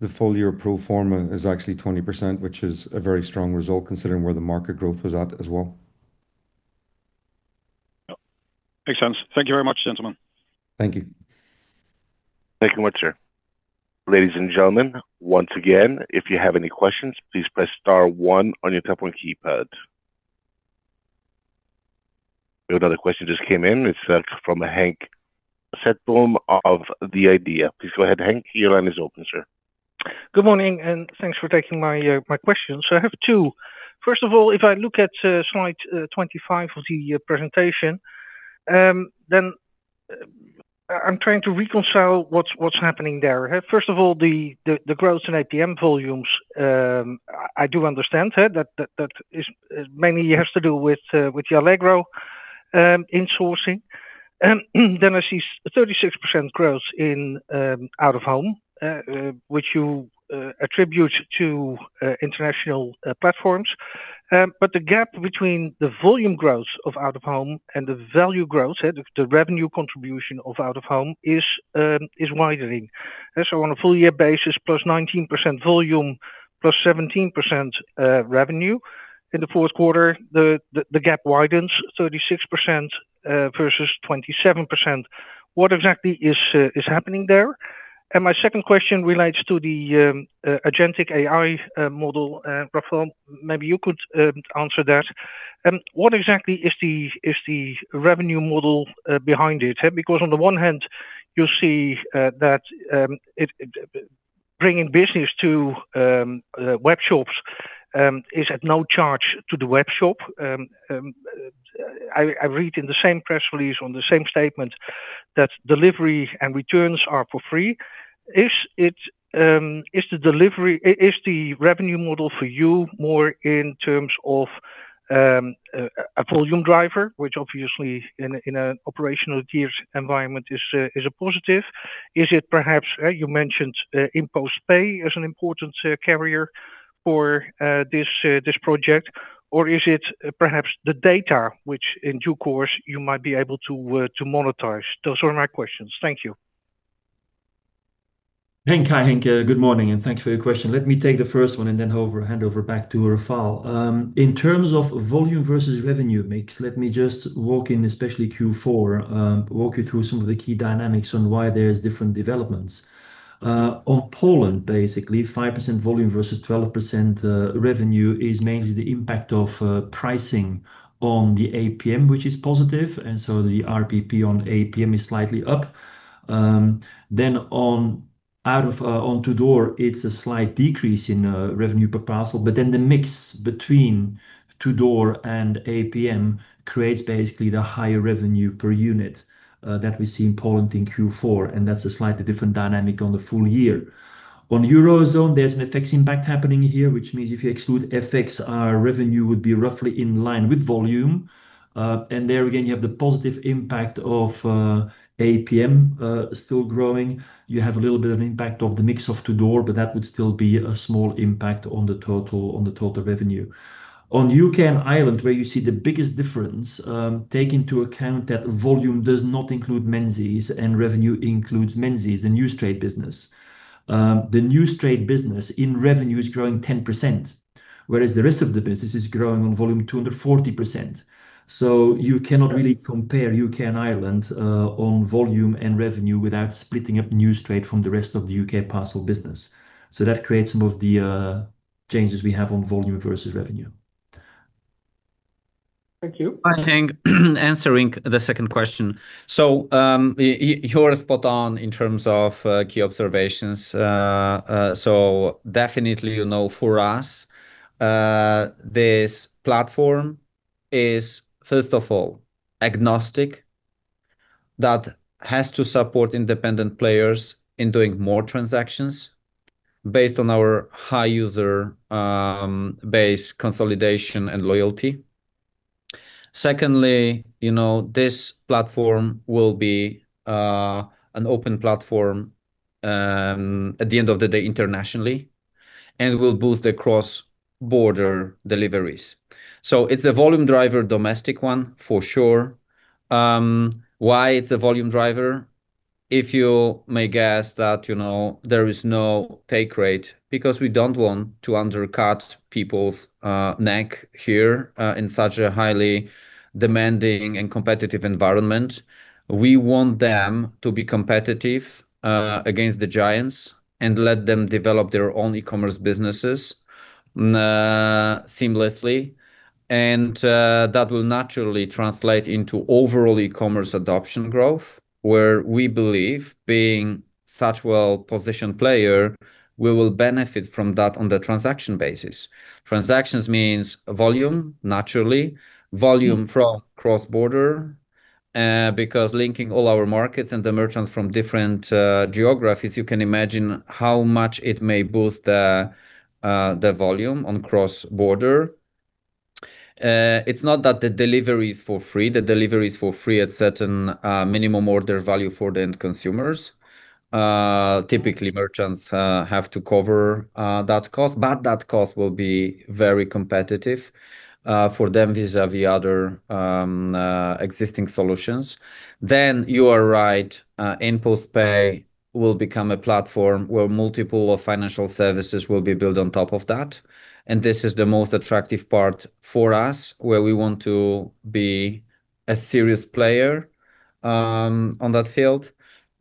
the full year pro forma is actually 20%, which is a very strong result considering where the market growth was at as well. Makes sense. Thank you very much, gentlemen. Thank you. Thank you very much, sir. Ladies and gentlemen, once again, if you have any questions, please press star one on your telephone keypad. We have another question just came in. It's from Henk Slotboom of The IDEA!. Please go ahead, Henk. Your line is open, sir. Good morning and thanks for taking my question. I have two. First of all, if I look at slide 25 of the presentation, then I'm trying to reconcile what's happening there. First of all, the growth in APM volumes, I do understand that is mainly has to do with the Allegro insourcing. Then I see 36% growth in out of home, which you attribute to international platforms. But the gap between the volume growth of out of home and the value growth, the revenue contribution of out of home is widening. On a full year basis, +19% volume, +17% revenue in the fourth quarter, the gap widens 36% versus 27%. What exactly is happening there? My second question relates to the Agentic AI model. Rafał, maybe you could answer that. What exactly is the revenue model behind it? Because on the one hand, you see, that it bringing business to web shops is at no charge to the web shop. I read in the same press release on the same statement that delivery and returns are for free. Is the revenue model for you more in terms of a volume driver, which obviously in an operational gearing environment is a positive? Is it perhaps you mentioned InPost Pay as an important carrier for this project? Is it perhaps the data which in due course you might be able to monetize? Those are my questions. Thank you. Henk. Hi, Henk. Good morning and thanks for your question. Let me take the first one and then hand over back to Rafał. In terms of volume versus revenue mix, let me just, especially Q4, walk you through some of the key dynamics on why there is different developments. On Poland, basically, 5% volume versus 12% revenue is mainly the impact of pricing on the APM, which is positive. The RPP on APM is slightly up. Then on to-door, it's a slight decrease in revenue per parcel but the mix between to-door and APM creates basically the higher revenue per unit that we see in Poland in Q4 and that's a slightly different dynamic on the full year. On Eurozone, there's an FX impact happening here, which means if you exclude FX, our revenue would be roughly in line with volume. There again, you have the positive impact of APM still growing. You have a little bit of impact of the mix of to door but that would still be a small impact on the total revenue. On U.K. and Ireland, where you see the biggest difference, take into account that volume does not include Menzies and revenue includes Menzies, the Newstrade business. The Newstrade business in revenue is growing 10%, whereas the rest of the business is growing on volume 240%. You cannot really compare U.K. and Ireland on volume and revenue without splitting up Newstrade from the rest of the U.K. parcel business. That creates some of the changes we have on volume versus revenue. Thank you. I think answering the second question. You're spot on in terms of key observations. So definitely, you know, for us, this platform is, first of all, agnostic that has to support independent players in doing more transactions based on our high user base consolidation and loyalty. Secondly, you know, this platform will be an open platform at the end of the day, internationally and will boost the cross-border deliveries. It's a volume driver, domestic one for sure. Why it's a volume driver? If you may guess that, you know, there is no take rate because we don't want to undercut people's neck here in such a highly demanding and competitive environment. We want them to be competitive against the giants and let them develop their own e-commerce businesses seamlessly. That will naturally translate into overall e-commerce adoption growth, where we believe being such well-positioned player, we will benefit from that on the transaction basis. Transactions means volume, naturally. Volume from cross-border, because linking all our markets and the merchants from different geographies, you can imagine how much it may boost the volume on cross-border. It's not that the delivery is for free. The delivery is for free at certain minimum order value for the end consumers. Typically, merchants have to cover that cost but that cost will be very competitive for them vis-à-vis other existing solutions. You are right, InPost Pay will become a platform where multiple financial services will be built on top of that. This is the most attractive part for us, where we want to be a serious player on that field.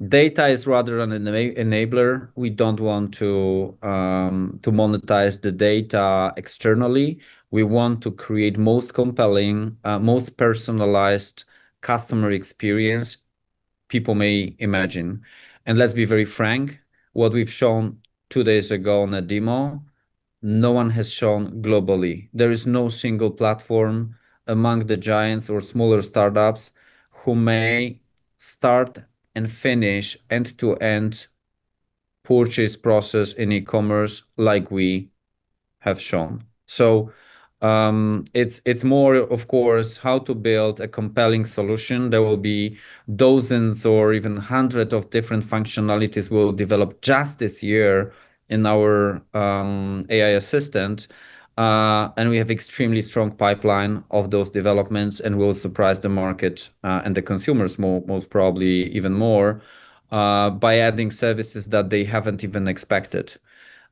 Data is rather an enabler. We don't want to monetize the data externally. We want to create most compelling, most personalized customer experience people may imagine. Let's be very frank, what we've shown two days ago on a demo, no one has shown globally. There is no single platform among the giants or smaller startups who may start and finish end-to-end purchase process in e-commerce like we have shown. It's more, of course, how to build a compelling solution. There will be dozens or even hundreds of different functionalities we'll develop just this year in our AI assistant. We have extremely strong pipeline of those developments and we'll surprise the market and the consumers most probably even more, by adding services that they haven't even expected.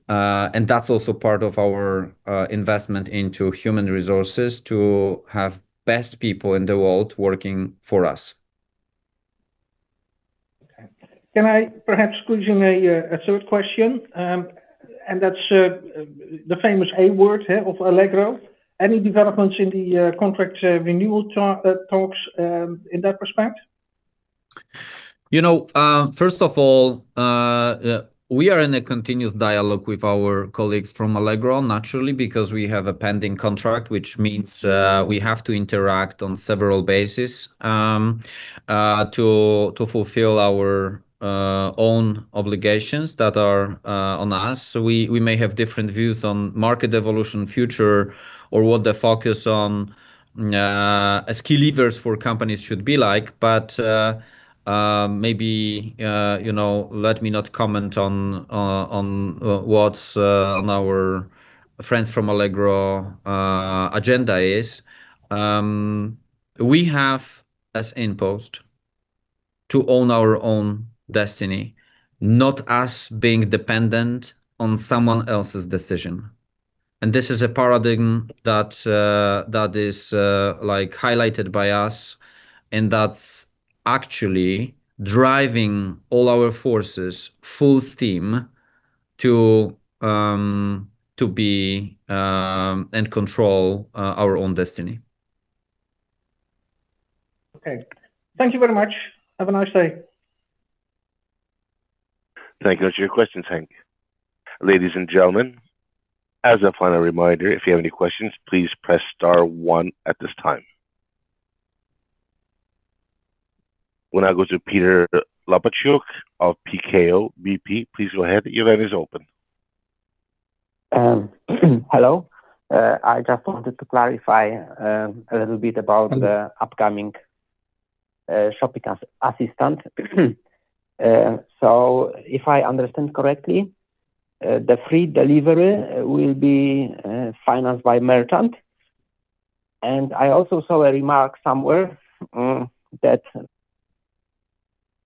That's also part of our investment into human resources to have best people in the world working for us. Okay. Can I perhaps squeeze in a third question? That's the famous A word, yeah, of Allegro. Any developments in the contract renewal talks in that respect? You know, first of all, we are in a continuous dialogue with our colleagues from Allegro, naturally, because we have a pending contract, which means we have to interact on several bases to fulfill our own obligations that are on us. We may have different views on market evolution future or what the focus on as key leaders for companies should be like. Maybe you know, let me not comment on what's on our friends from Allegro's agenda is. We have, as InPost, to own our own destiny, not us being dependent on someone else's decision. This is a paradigm that is like highlighted by us and that's actually driving all our forces full steam to be and control our own destiny. Okay. Thank you very much. Have a nice day. Thank you. Those are your questions, Henk. Ladies and gentlemen, as a final reminder, if you have any questions, please press star one at this time. We'll now go to Piotr Łopaciuk of PKO BP. Please go ahead. Your line is open. Hello. I just wanted to clarify a little bit about the upcoming shopping assistant. So if I understand correctly, the free delivery will be financed by merchant. I also saw a remark somewhere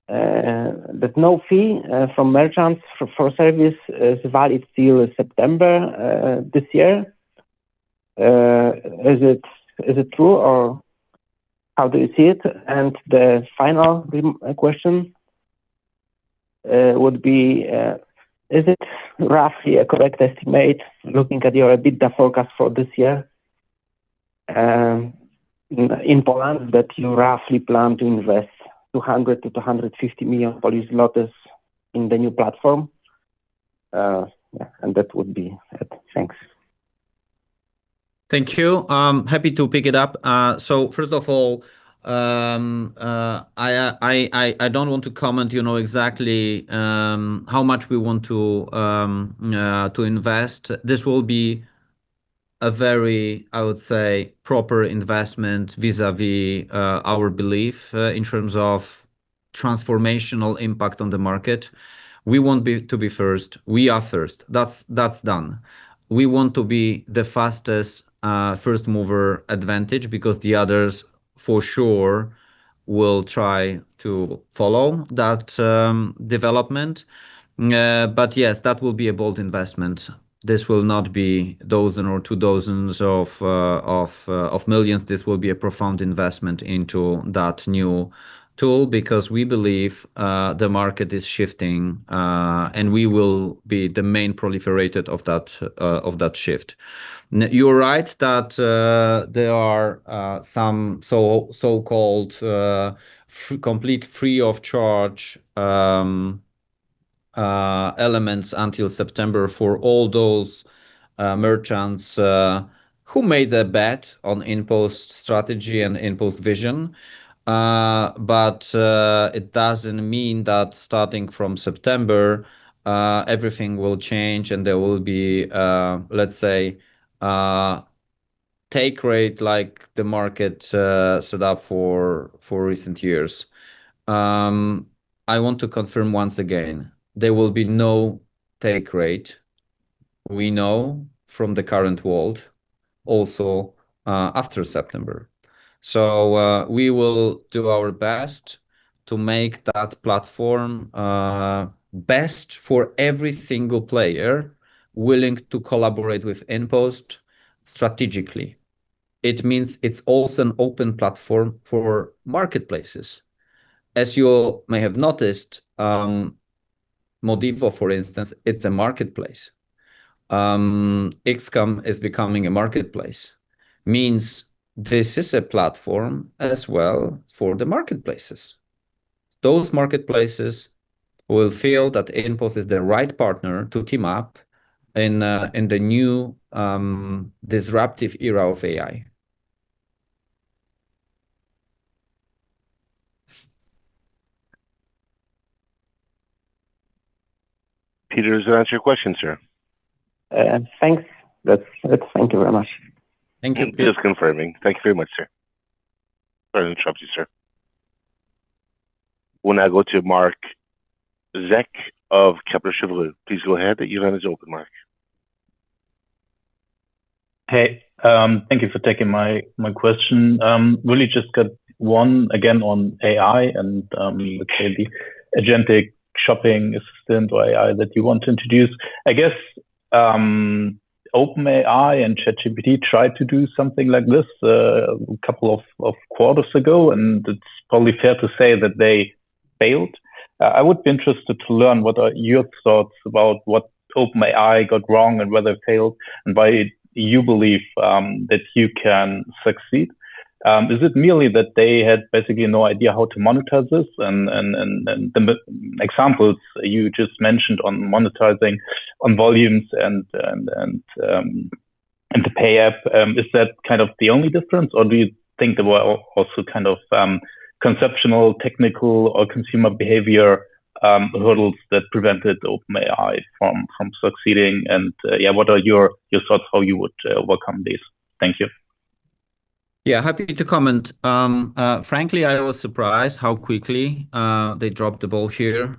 that no fee from merchants for service is valid till September this year. Is it true or how do you see it? The final question would be, is it roughly a correct estimate, looking at your EBITDA forecast for this year, in Poland that you roughly plan to invest 200 million-250 million in the new platform? Yeah and that would be it. Thanks. Thank you. I'm happy to pick it up. First of all, I don't want to comment, you know, exactly how much we want to invest. This will be a very, I would say, proper investment vis-à-vis our belief in terms of transformational impact on the market. We want to be first. We are first. That's done. We want to be the fastest first-mover advantage because the others for sure will try to follow that development. Yes, that will be a bold investment. This will not be a dozen or two dozen of millions. This will be a profound investment into that new tool because we believe the market is shifting and we will be the main proliferator of that shift. No, you're right that there are some so-called fully free of charge elements until September for all those merchants who made their bet on InPost strategy and InPost vision. It doesn't mean that starting from September everything will change and there will be, let's say, take rate like the market set up for recent years. I want to confirm once again, there will be no take rate. We know from the current world also after September. We will do our best to make that platform best for every single player willing to collaborate with InPost strategically. It means it's also an open platform for marketplaces. As you may have noticed, Modivo, for instance, it's a marketplace. x-kom is becoming a marketplace. Means this is a platform as well for the marketplaces. Those marketplaces will feel that InPost is the right partner to team up in the new, disruptive era of AI. Piotr, does that answer your question, sir? Thanks. That's. Thank you very much. Thank you. Just confirming. Thank you very much, sir. Sorry to interrupt you, sir. We'll now go to Marc Zeck of Kepler Cheuvreux. Please go ahead. The line is open, Marc. Hey. Thank you for taking my question. Really just got one again on AI and the agentic shopping assistant or AI that you want to introduce. I guess, OpenAI and ChatGPT tried to do something like this, couple of quarters ago and it's probably fair to say that they failed. I would be interested to learn what are your thoughts about what OpenAI got wrong and why they failed and why you believe that you can succeed. Is it merely that they had basically no idea how to monetize this and the examples you just mentioned on monetizing on volumes and the pay app, is that kind of the only difference or do you think there were also kind of conceptual, technical or consumer behavior hurdles that prevented OpenAI from succeeding? Yeah, what are your thoughts how you would overcome this? Thank you. Yeah, happy to comment. Frankly, I was surprised how quickly they dropped the ball here,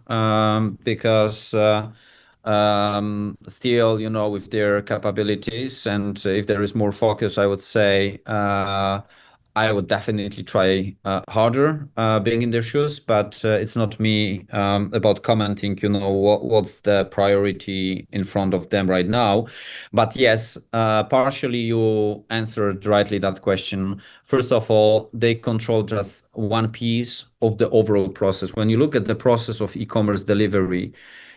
because still, you know, with their capabilities and if there is more focus, I would say, I would definitely try harder, being in their shoes. It's not me about commenting, you know, what's the priority in front of them right now. Yes, partially you answered rightly that question. First of all, they control just one piece of the overall process. When you look at the process of e-commerce delivery,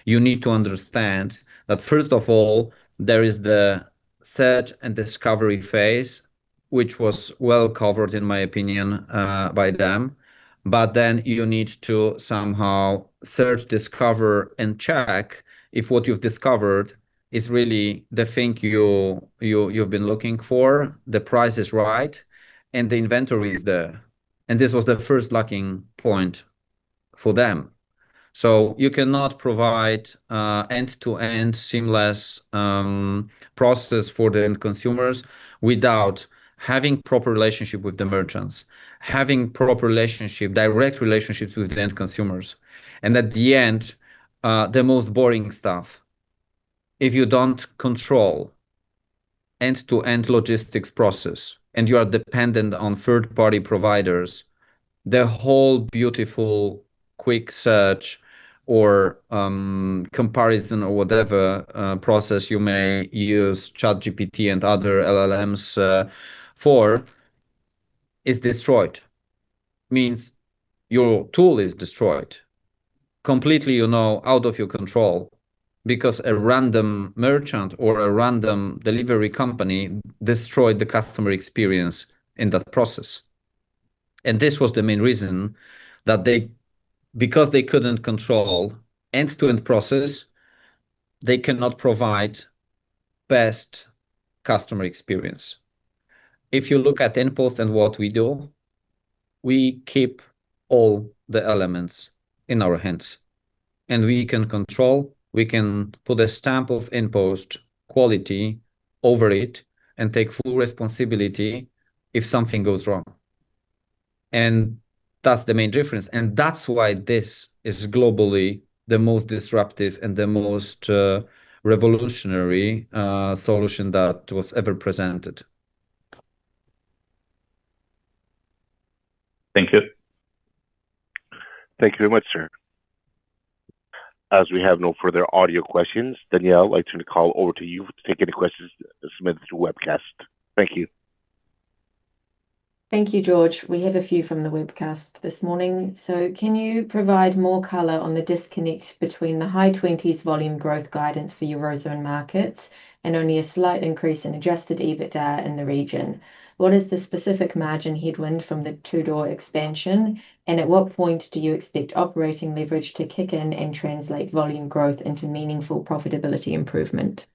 you need to understand that first of all, there is the search and discovery phase, which was well covered, in my opinion, by them. You need to somehow search, discover and check if what you've discovered is really the thing you've been looking for, the price is right and the inventory is there. This was the first lacking point for them. You cannot provide end-to-end seamless process for the end consumers without having proper relationship with the merchants, direct relationships with the end consumers. At the end, the most boring stuff. If you don't control end-to-end logistics process and you are dependent on third-party providers, the whole beautiful quick search or comparison or whatever process you may use, ChatGPT and other LLMs for is destroyed. Means your tool is destroyed, completely, you know, out of your control because a random merchant or a random delivery company destroyed the customer experience in that process. This was the main reason, because they couldn't control end-to-end process, they cannot provide best customer experience. If you look at InPost and what we do, we keep all the elements in our hands and we can control. We can put a stamp of InPost quality over it and take full responsibility if something goes wrong. That's the main difference and that's why this is globally the most disruptive and the most revolutionary solution that was ever presented. Thank you. Thank you very much, sir. As we have no further audio questions, Gabriela, I'd like to turn the call over to you to take any questions submitted through webcast. Thank you. Thank you, George. We have a few from the webcast this morning. Can you provide more color on the disconnect between the high 20s volume growth guidance for Eurozone markets and only a slight increase in adjusted EBITDA in the region? What is the specific margin headwind from the two-door expansion and at what point do you expect operating leverage to kick in and translate volume growth into meaningful profitability improvement?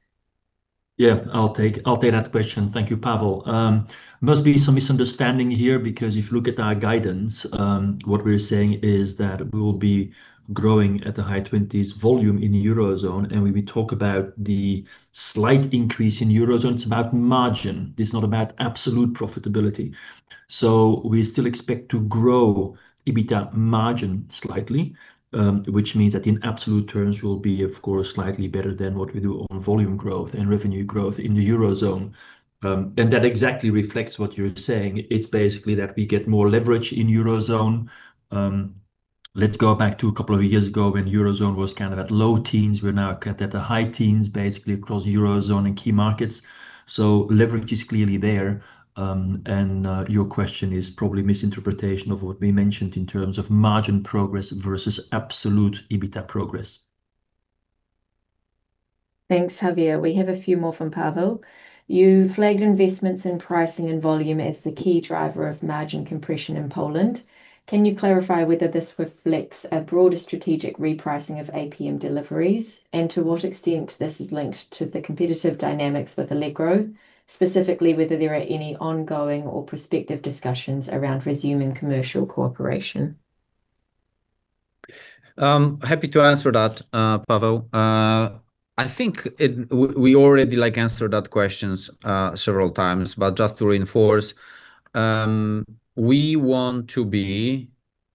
I'll take that question. Thank you, Paweł. Must be some misunderstanding here because if you look at our guidance, what we're saying is that we will be growing at the high 20s% volume in Eurozone and when we talk about the slight increase in Eurozone, it's about margin. This is not about absolute profitability. We still expect to grow EBITDA margin slightly, which means that in absolute terms we'll be, of course, slightly better than what we do on volume growth and revenue growth in the Eurozone. That exactly reflects what you're saying. It's basically that we get more leverage in Eurozone. Let's go back to a couple of years ago when Eurozone was kind of at low teens%. We're now at the high teens%, basically across Eurozone and key markets. Leverage is clearly there. Your question is probably misinterpretation of what we mentioned in terms of margin progress versus absolute EBITDA progress. Thanks, Javier. We have a few more from Paweł. You flagged investments in pricing and volume as the key driver of margin compression in Poland. Can you clarify whether this reflects a broader strategic repricing of APM deliveries and to what extent this is linked to the competitive dynamics with Allegro, specifically whether there are any ongoing or prospective discussions around resuming commercial cooperation? Happy to answer that, Paweł. I think we already, like, answered that question several times. Just to reinforce, we want to be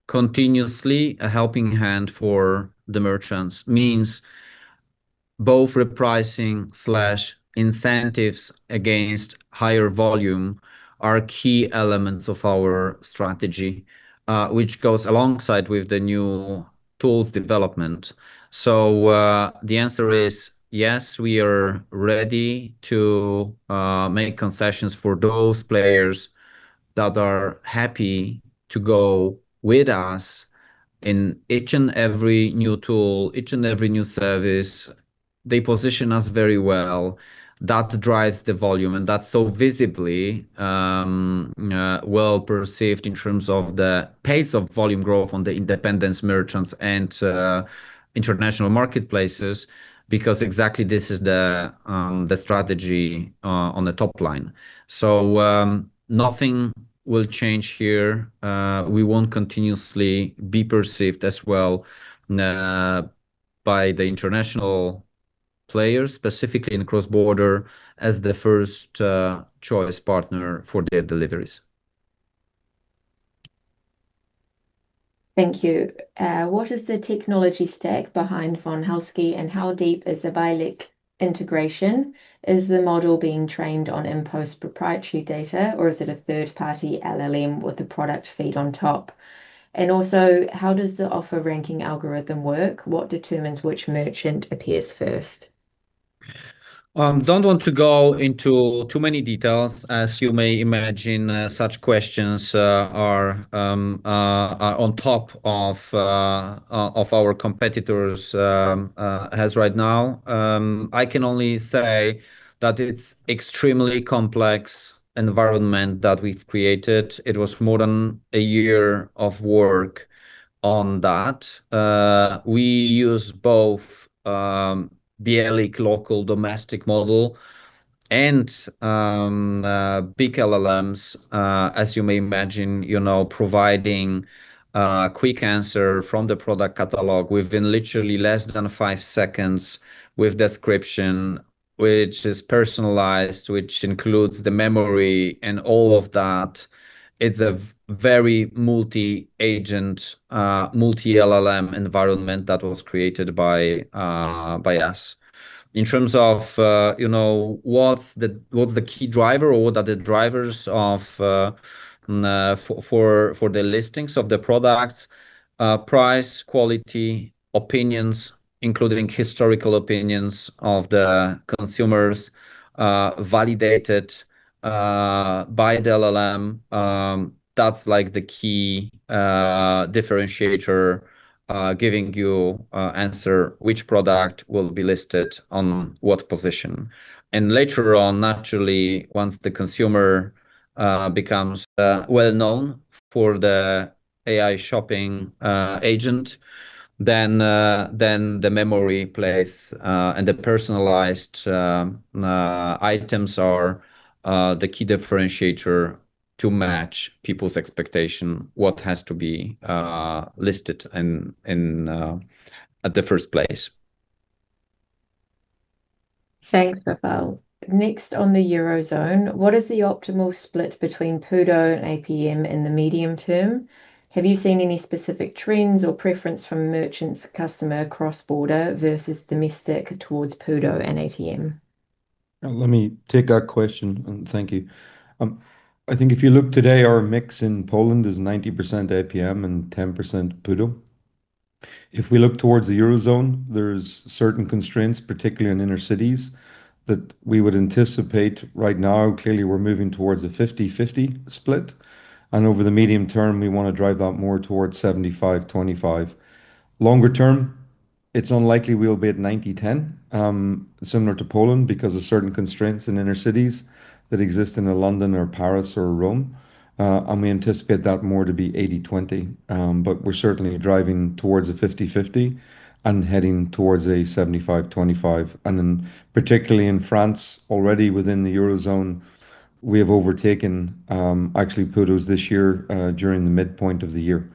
continuously a helping hand for the merchants. Means both repricing/incentives against higher volume are key elements of our strategy, which goes alongside with the new tools development. The answer is yes, we are ready to make concessions for those players that are happy to go with us in each and every new tool, each and every new service. They position us very well. That drives the volume and that's so visibly well perceived in terms of the pace of volume growth on the independent merchants and international marketplaces because exactly this is the strategy on the top line. Nothing will change here. We want continuously be perceived as well by the international players, specifically in cross-border, as the first choice partner for their deliveries. Thank you. What is the technology stack behind Von Halsky and how deep is the Bielik integration? Is the model being trained on InPost proprietary data or is it a third-party LLM with a product feed on top? How does the offer ranking algorithm work? What determines which merchant appears first? I don't want to go into too many details. As you may imagine, such questions are on top of our competitors' minds right now. I can only say that it's an extremely complex environment that we've created. It was more than a year of work on that. We use both the Bielik local domestic model and big LLMs, as you may imagine, you know, providing a quick answer from the product catalog within literally less than five seconds with a description, which is personalized, which includes the memory and all of that. It's a very multi-agent multi-LLM environment that was created by us. In terms of, you know, what's the key driver or what are the drivers of for the listings of the products, price, quality, opinions, including historical opinions of the consumers, validated by the LLM. That's like the key differentiator, giving you answer which product will be listed on what position. Later on, naturally, once the consumer becomes well known for the AI shopping agent, then the memory plays and the personalized items are the key differentiator to match people's expectation what has to be listed in at the first place. Thanks, Rafał. Next on the Eurozone, what is the optimal split between PUDO and APM in the medium term? Have you seen any specific trends or preference from merchants customer cross-border versus domestic towards PUDO and APM? Let me take that question and thank you. I think if you look today, our mix in Poland is 90% APM and 10% PUDO. If we look towards the Eurozone, there's certain constraints, particularly in inner cities, that we would anticipate right now. Clearly, we're moving towards a 50/50 split and over the medium term, we wanna drive that more towards 75/25. Longer term, it's unlikely we'll be at 90/10, similar to Poland because of certain constraints in inner cities that exist in a London or Paris or Rome. We anticipate that more to be 80/20. But we're certainly driving towards a 50/50 and heading towards a 75/25. Particularly in France, already within the Eurozone, we have overtaken actually PUDOs this year during the midpoint of the year.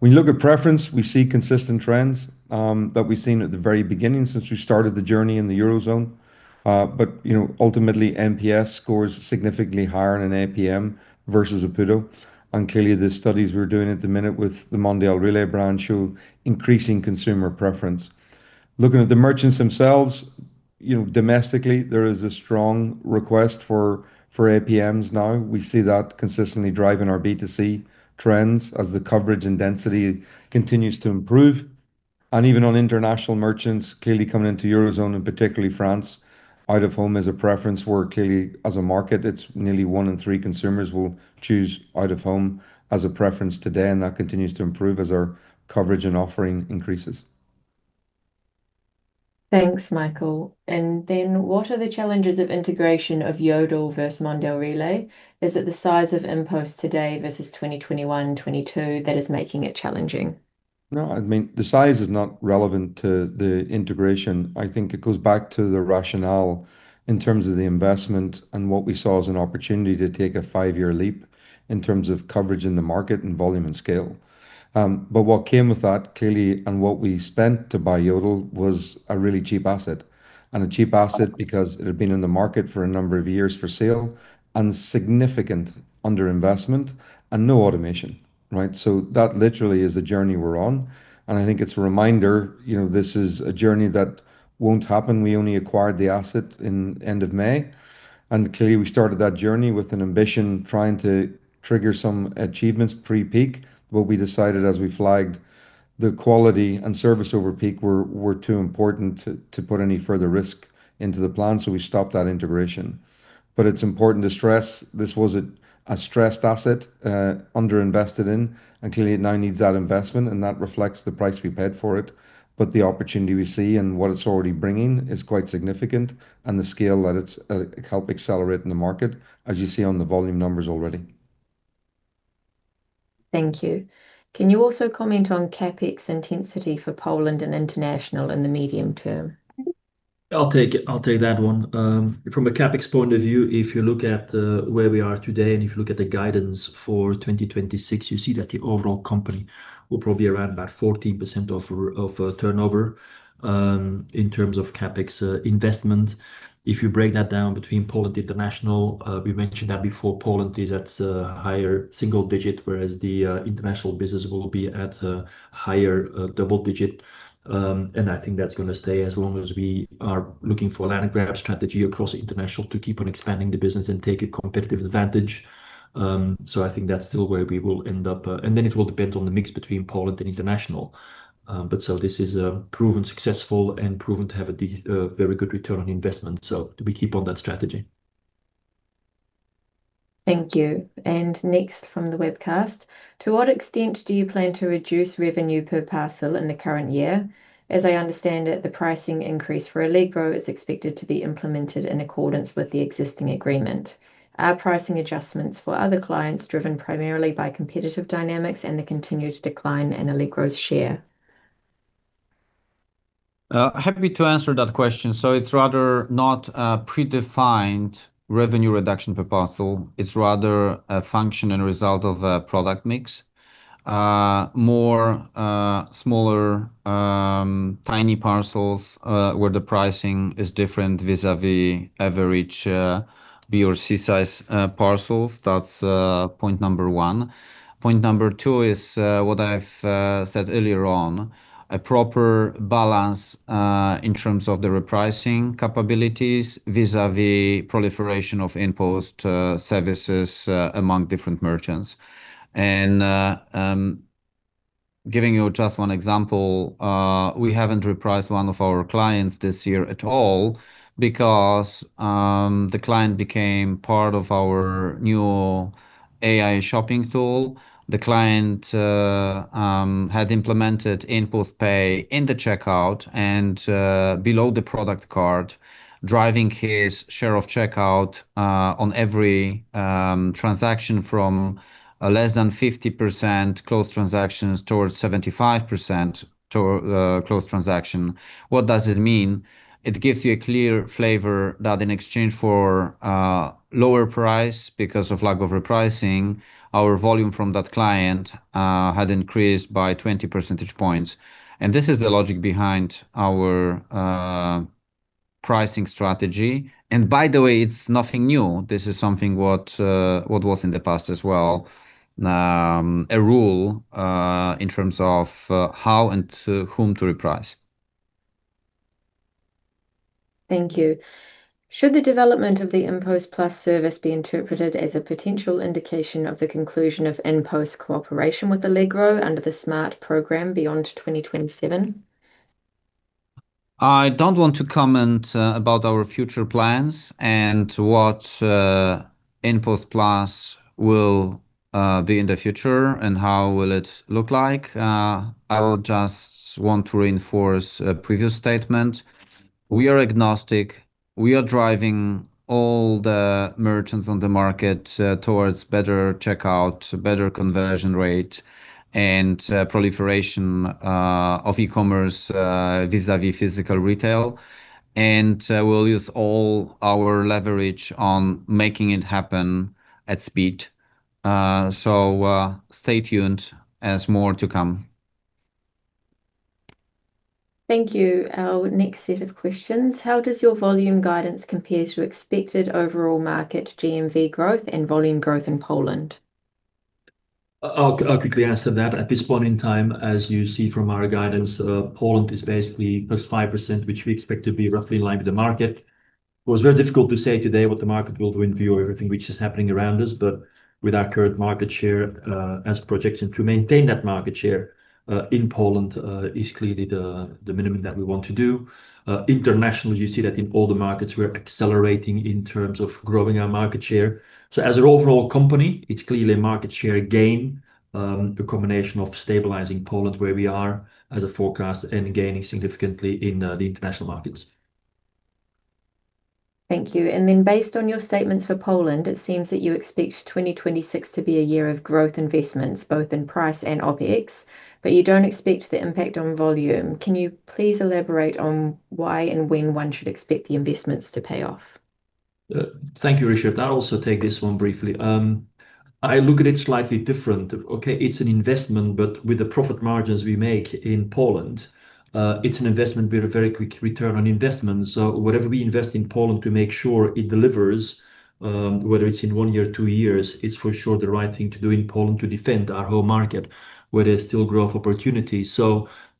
When you look at preference, we see consistent trends that we've seen at the very beginning since we started the journey in the Eurozone. You know, ultimately, NPS scores significantly higher in an APM versus a PUDO. Clearly, the studies we're doing at the minute with the Mondial Relay brand show increasing consumer preference. Looking at the merchants themselves, you know, domestically, there is a strong request for APMs now. We see that consistently driving our B2C trends as the coverage and density continues to improve. Even on international merchants, clearly coming into Eurozone and particularly France, out-of-home is a preference where clearly as a market, it's nearly one in three consumers will choose out-of-home as a preference today and that continues to improve as our coverage and offering increases. Thanks, Michael. What are the challenges of integration of Yodel versus Mondial Relay? Is it the size of InPost today versus 2021, 2022 that is making it challenging? No, I mean, the size is not relevant to the integration. I think it goes back to the rationale in terms of the investment and what we saw as an opportunity to take a five-year leap in terms of coverage in the market and volume and scale. But what came with that, clearly and what we spent to buy Yodel was a really cheap asset and a cheap asset because it had been in the market for a number of years for sale and significant underinvestment and no automation, right? That literally is the journey we're on and I think it's a reminder, you know, this is a journey that won't happen. We only acquired the asset in end of May and clearly, we started that journey with an ambition trying to trigger some achievements pre-peak. We decided as we flagged the quality and service over peak were too important to put any further risk into the plan, so we stopped that integration. It's important to stress this was a stressed asset underinvested in and clearly it now needs that investment and that reflects the price we paid for it. The opportunity we see and what it's already bringing is quite significant and the scale that it's helping accelerate the market, as you see on the volume numbers already. Thank you. Can you also comment on CapEx intensity for Poland and international in the medium term? I'll take it. I'll take that one. From a CapEx point of view, if you look at where we are today and if you look at the guidance for 2026, you see that the overall company will probably around about 14% of turnover in terms of CapEx investment. If you break that down between Poland international, we mentioned that before, Poland is at higher single digit, whereas the international business will be at higher double digit. I think that's gonna stay as long as we are looking for a landgrab strategy across international to keep on expanding the business and take a competitive advantage. I think that's still where we will end up and then it will depend on the mix between Poland and international. This is proven successful and proven to have a very good return on investment. We keep on that strategy. Thank you. Next from the webcast, to what extent do you plan to reduce revenue per parcel in the current year? As I understand it, the pricing increase for Allegro is expected to be implemented in accordance with the existing agreement. Are pricing adjustments for other clients driven primarily by competitive dynamics and the continued decline in Allegro's share? Happy to answer that question. It's rather not a predefined revenue reduction per parcel. It's rather a function and a result of a product mix. More smaller tiny parcels where the pricing is different vis-a-vis average B or C size parcels. That's point number one. Point number two is what I've said earlier on, a proper balance in terms of the repricing capabilities vis-a-vis proliferation of InPost services among different merchants. Giving you just one example, we haven't repriced one of our clients this year at all because the client became part of our new AI shopping tool. The client had implemented InPost Pay in the checkout and below the product cart, driving his share of checkout on every transaction from less than 50% closed transactions towards 75% closed transactions. What does it mean? It gives you a clear flavor that in exchange for lower price because of lack of repricing, our volume from that client had increased by 20 percentage points. This is the logic behind our pricing strategy. By the way, it's nothing new. This is something what was in the past as well, a rule in terms of how and to whom to reprice. Thank you. Should the development of the InPost Plus service be interpreted as a potential indication of the conclusion of InPost cooperation with Allegro under the Smart program beyond 2027? I don't want to comment about our future plans and what InPost Plus will be in the future and how will it look like. I will just want to reinforce a previous statement. We are agnostic. We are driving all the merchants on the market towards better checkout, better conversion rate and proliferation of e-commerce vis-a-vis physical retail. We'll use all our leverage on making it happen at speed. Stay tuned. There's more to come. Thank you. Our next set of questions, how does your volume guidance compare to expected overall market GMV growth and volume growth in Poland? I'll quickly answer that. At this point in time, as you see from our guidance, Poland is basically +5%, which we expect to be roughly in line with the market. It was very difficult to say today what the market will do in view of everything which is happening around us. With our current market share, as projected, to maintain that market share in Poland is clearly the minimum that we want to do. Internationally, you see that in all the markets we're accelerating in terms of growing our market share. As an overall company, it's clearly a market share gain, a combination of stabilizing Poland, where we are as forecast and gaining significantly in the international markets. Thank you. Based on your statements for Poland, it seems that you expect 2026 to be a year of growth investments, both in price and OpEx but you don't expect the impact on volume. Can you please elaborate on why and when one should expect the investments to pay off? Thank you, Risha. I'll also take this one briefly. I look at it slightly different. Okay. It's an investment but with the profit margins we make in Poland, it's an investment with a very quick return on investment. Whatever we invest in Poland to make sure it delivers, whether it's in one year or two years, it's for sure the right thing to do in Poland to defend our home market, where there's still growth opportunities.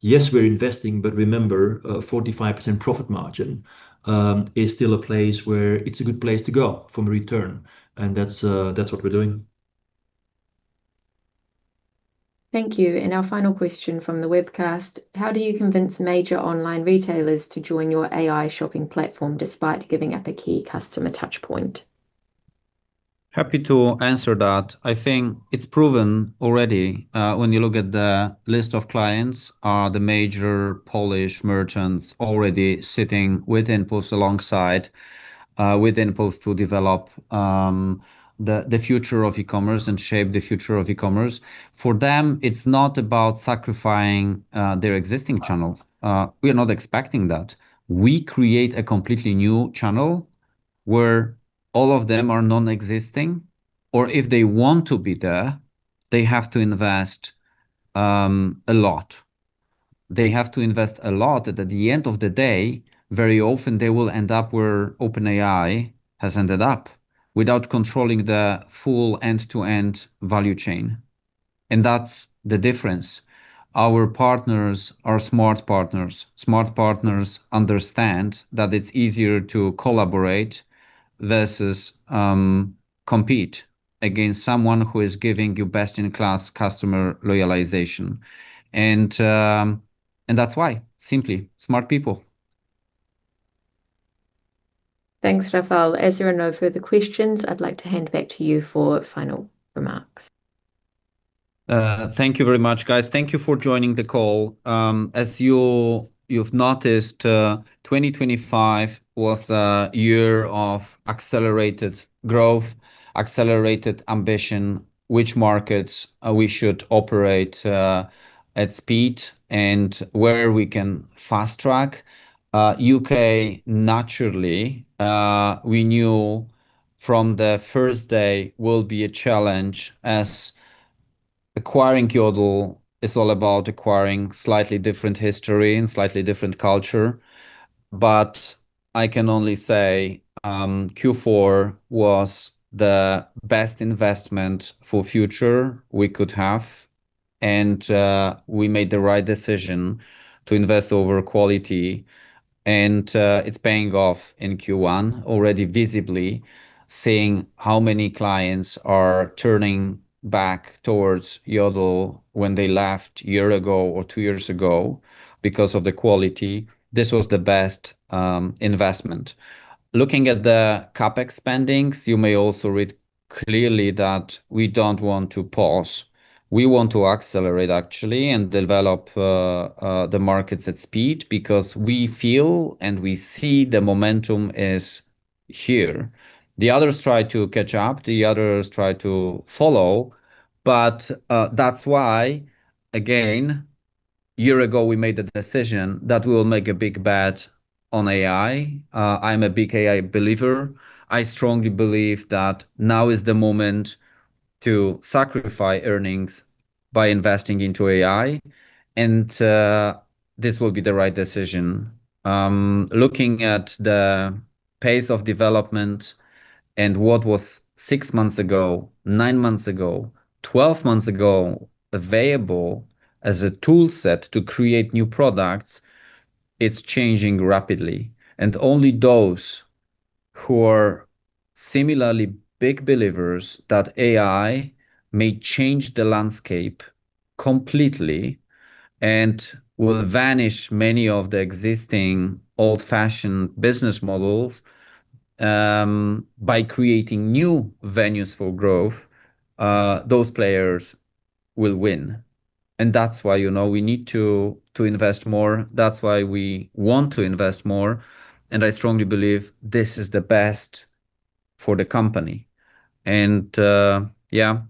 Yes, we're investing but remember, 45% profit margin is still a place where it's a good place to go from return and that's what we're doing. Thank you. Our final question from the webcast, how do you convince major online retailers to join your AI shopping platform despite giving up a key customer touch point? Happy to answer that. I think it's proven already, when you look at the list of clients are the major Polish merchants already sitting with InPost alongside, with InPost to develop, the future of e-commerce and shape the future of e-commerce. For them, it's not about sacrificing, their existing channels. We are not expecting that. We create a completely new channel where all of them are non-existing or if they want to be there, they have to invest, a lot. They have to invest a lot. At the end of the day, very often they will end up where OpenAI has ended up without controlling the full end-to-end value chain. That's the difference. Our partners are smart partners. Smart partners understand that it's easier to collaborate versus compete against someone who is giving you best-in-class customer loyalization. That's why, simply smart people. Thanks, Rafał. As there are no further questions, I'd like to hand back to you for final remarks. Thank you very much, guys. Thank you for joining the call. As you've noticed, 2025 was a year of accelerated growth, accelerated ambition, which markets we should operate at speed and where we can fast-track. U.K., naturally, we knew from the first day will be a challenge as acquiring Yodel is all about acquiring slightly different history and slightly different culture. I can only say, Q4 was the best investment for future we could have. We made the right decision to invest over quality and it's paying off in Q1 already visibly, seeing how many clients are turning back toward Yodel when they left year ago or two years ago because of the quality. This was the best investment. Looking at the CapEx spending, you may also read clearly that we don't want to pause. We want to accelerate, actually and develop, the markets at speed because we feel and we see the momentum is here. The others try to catch up, the others try to follow but that's why, again, a year ago, we made the decision that we will make a big bet on AI. I'm a big AI believer. I strongly believe that now is the moment to sacrifice earnings by investing into AI and this will be the right decision. Looking at the pace of development and what was six months ago, nine months ago, 12 months ago available as a tool set to create new products, it's changing rapidly. Only those who are similarly big believers that AI may change the landscape completely and will vanish many of the existing old-fashioned business models, by creating new venues for growth, those players will win. That's why, you know, we need to invest more. That's why we want to invest more and I strongly believe this is the best for the company. Yeah.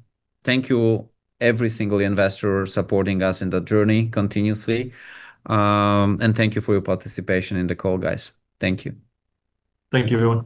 Thank you every single investor supporting us in the journey continuously. Thank you for your participation in the call, guys. Thank you. Thank you, everyone.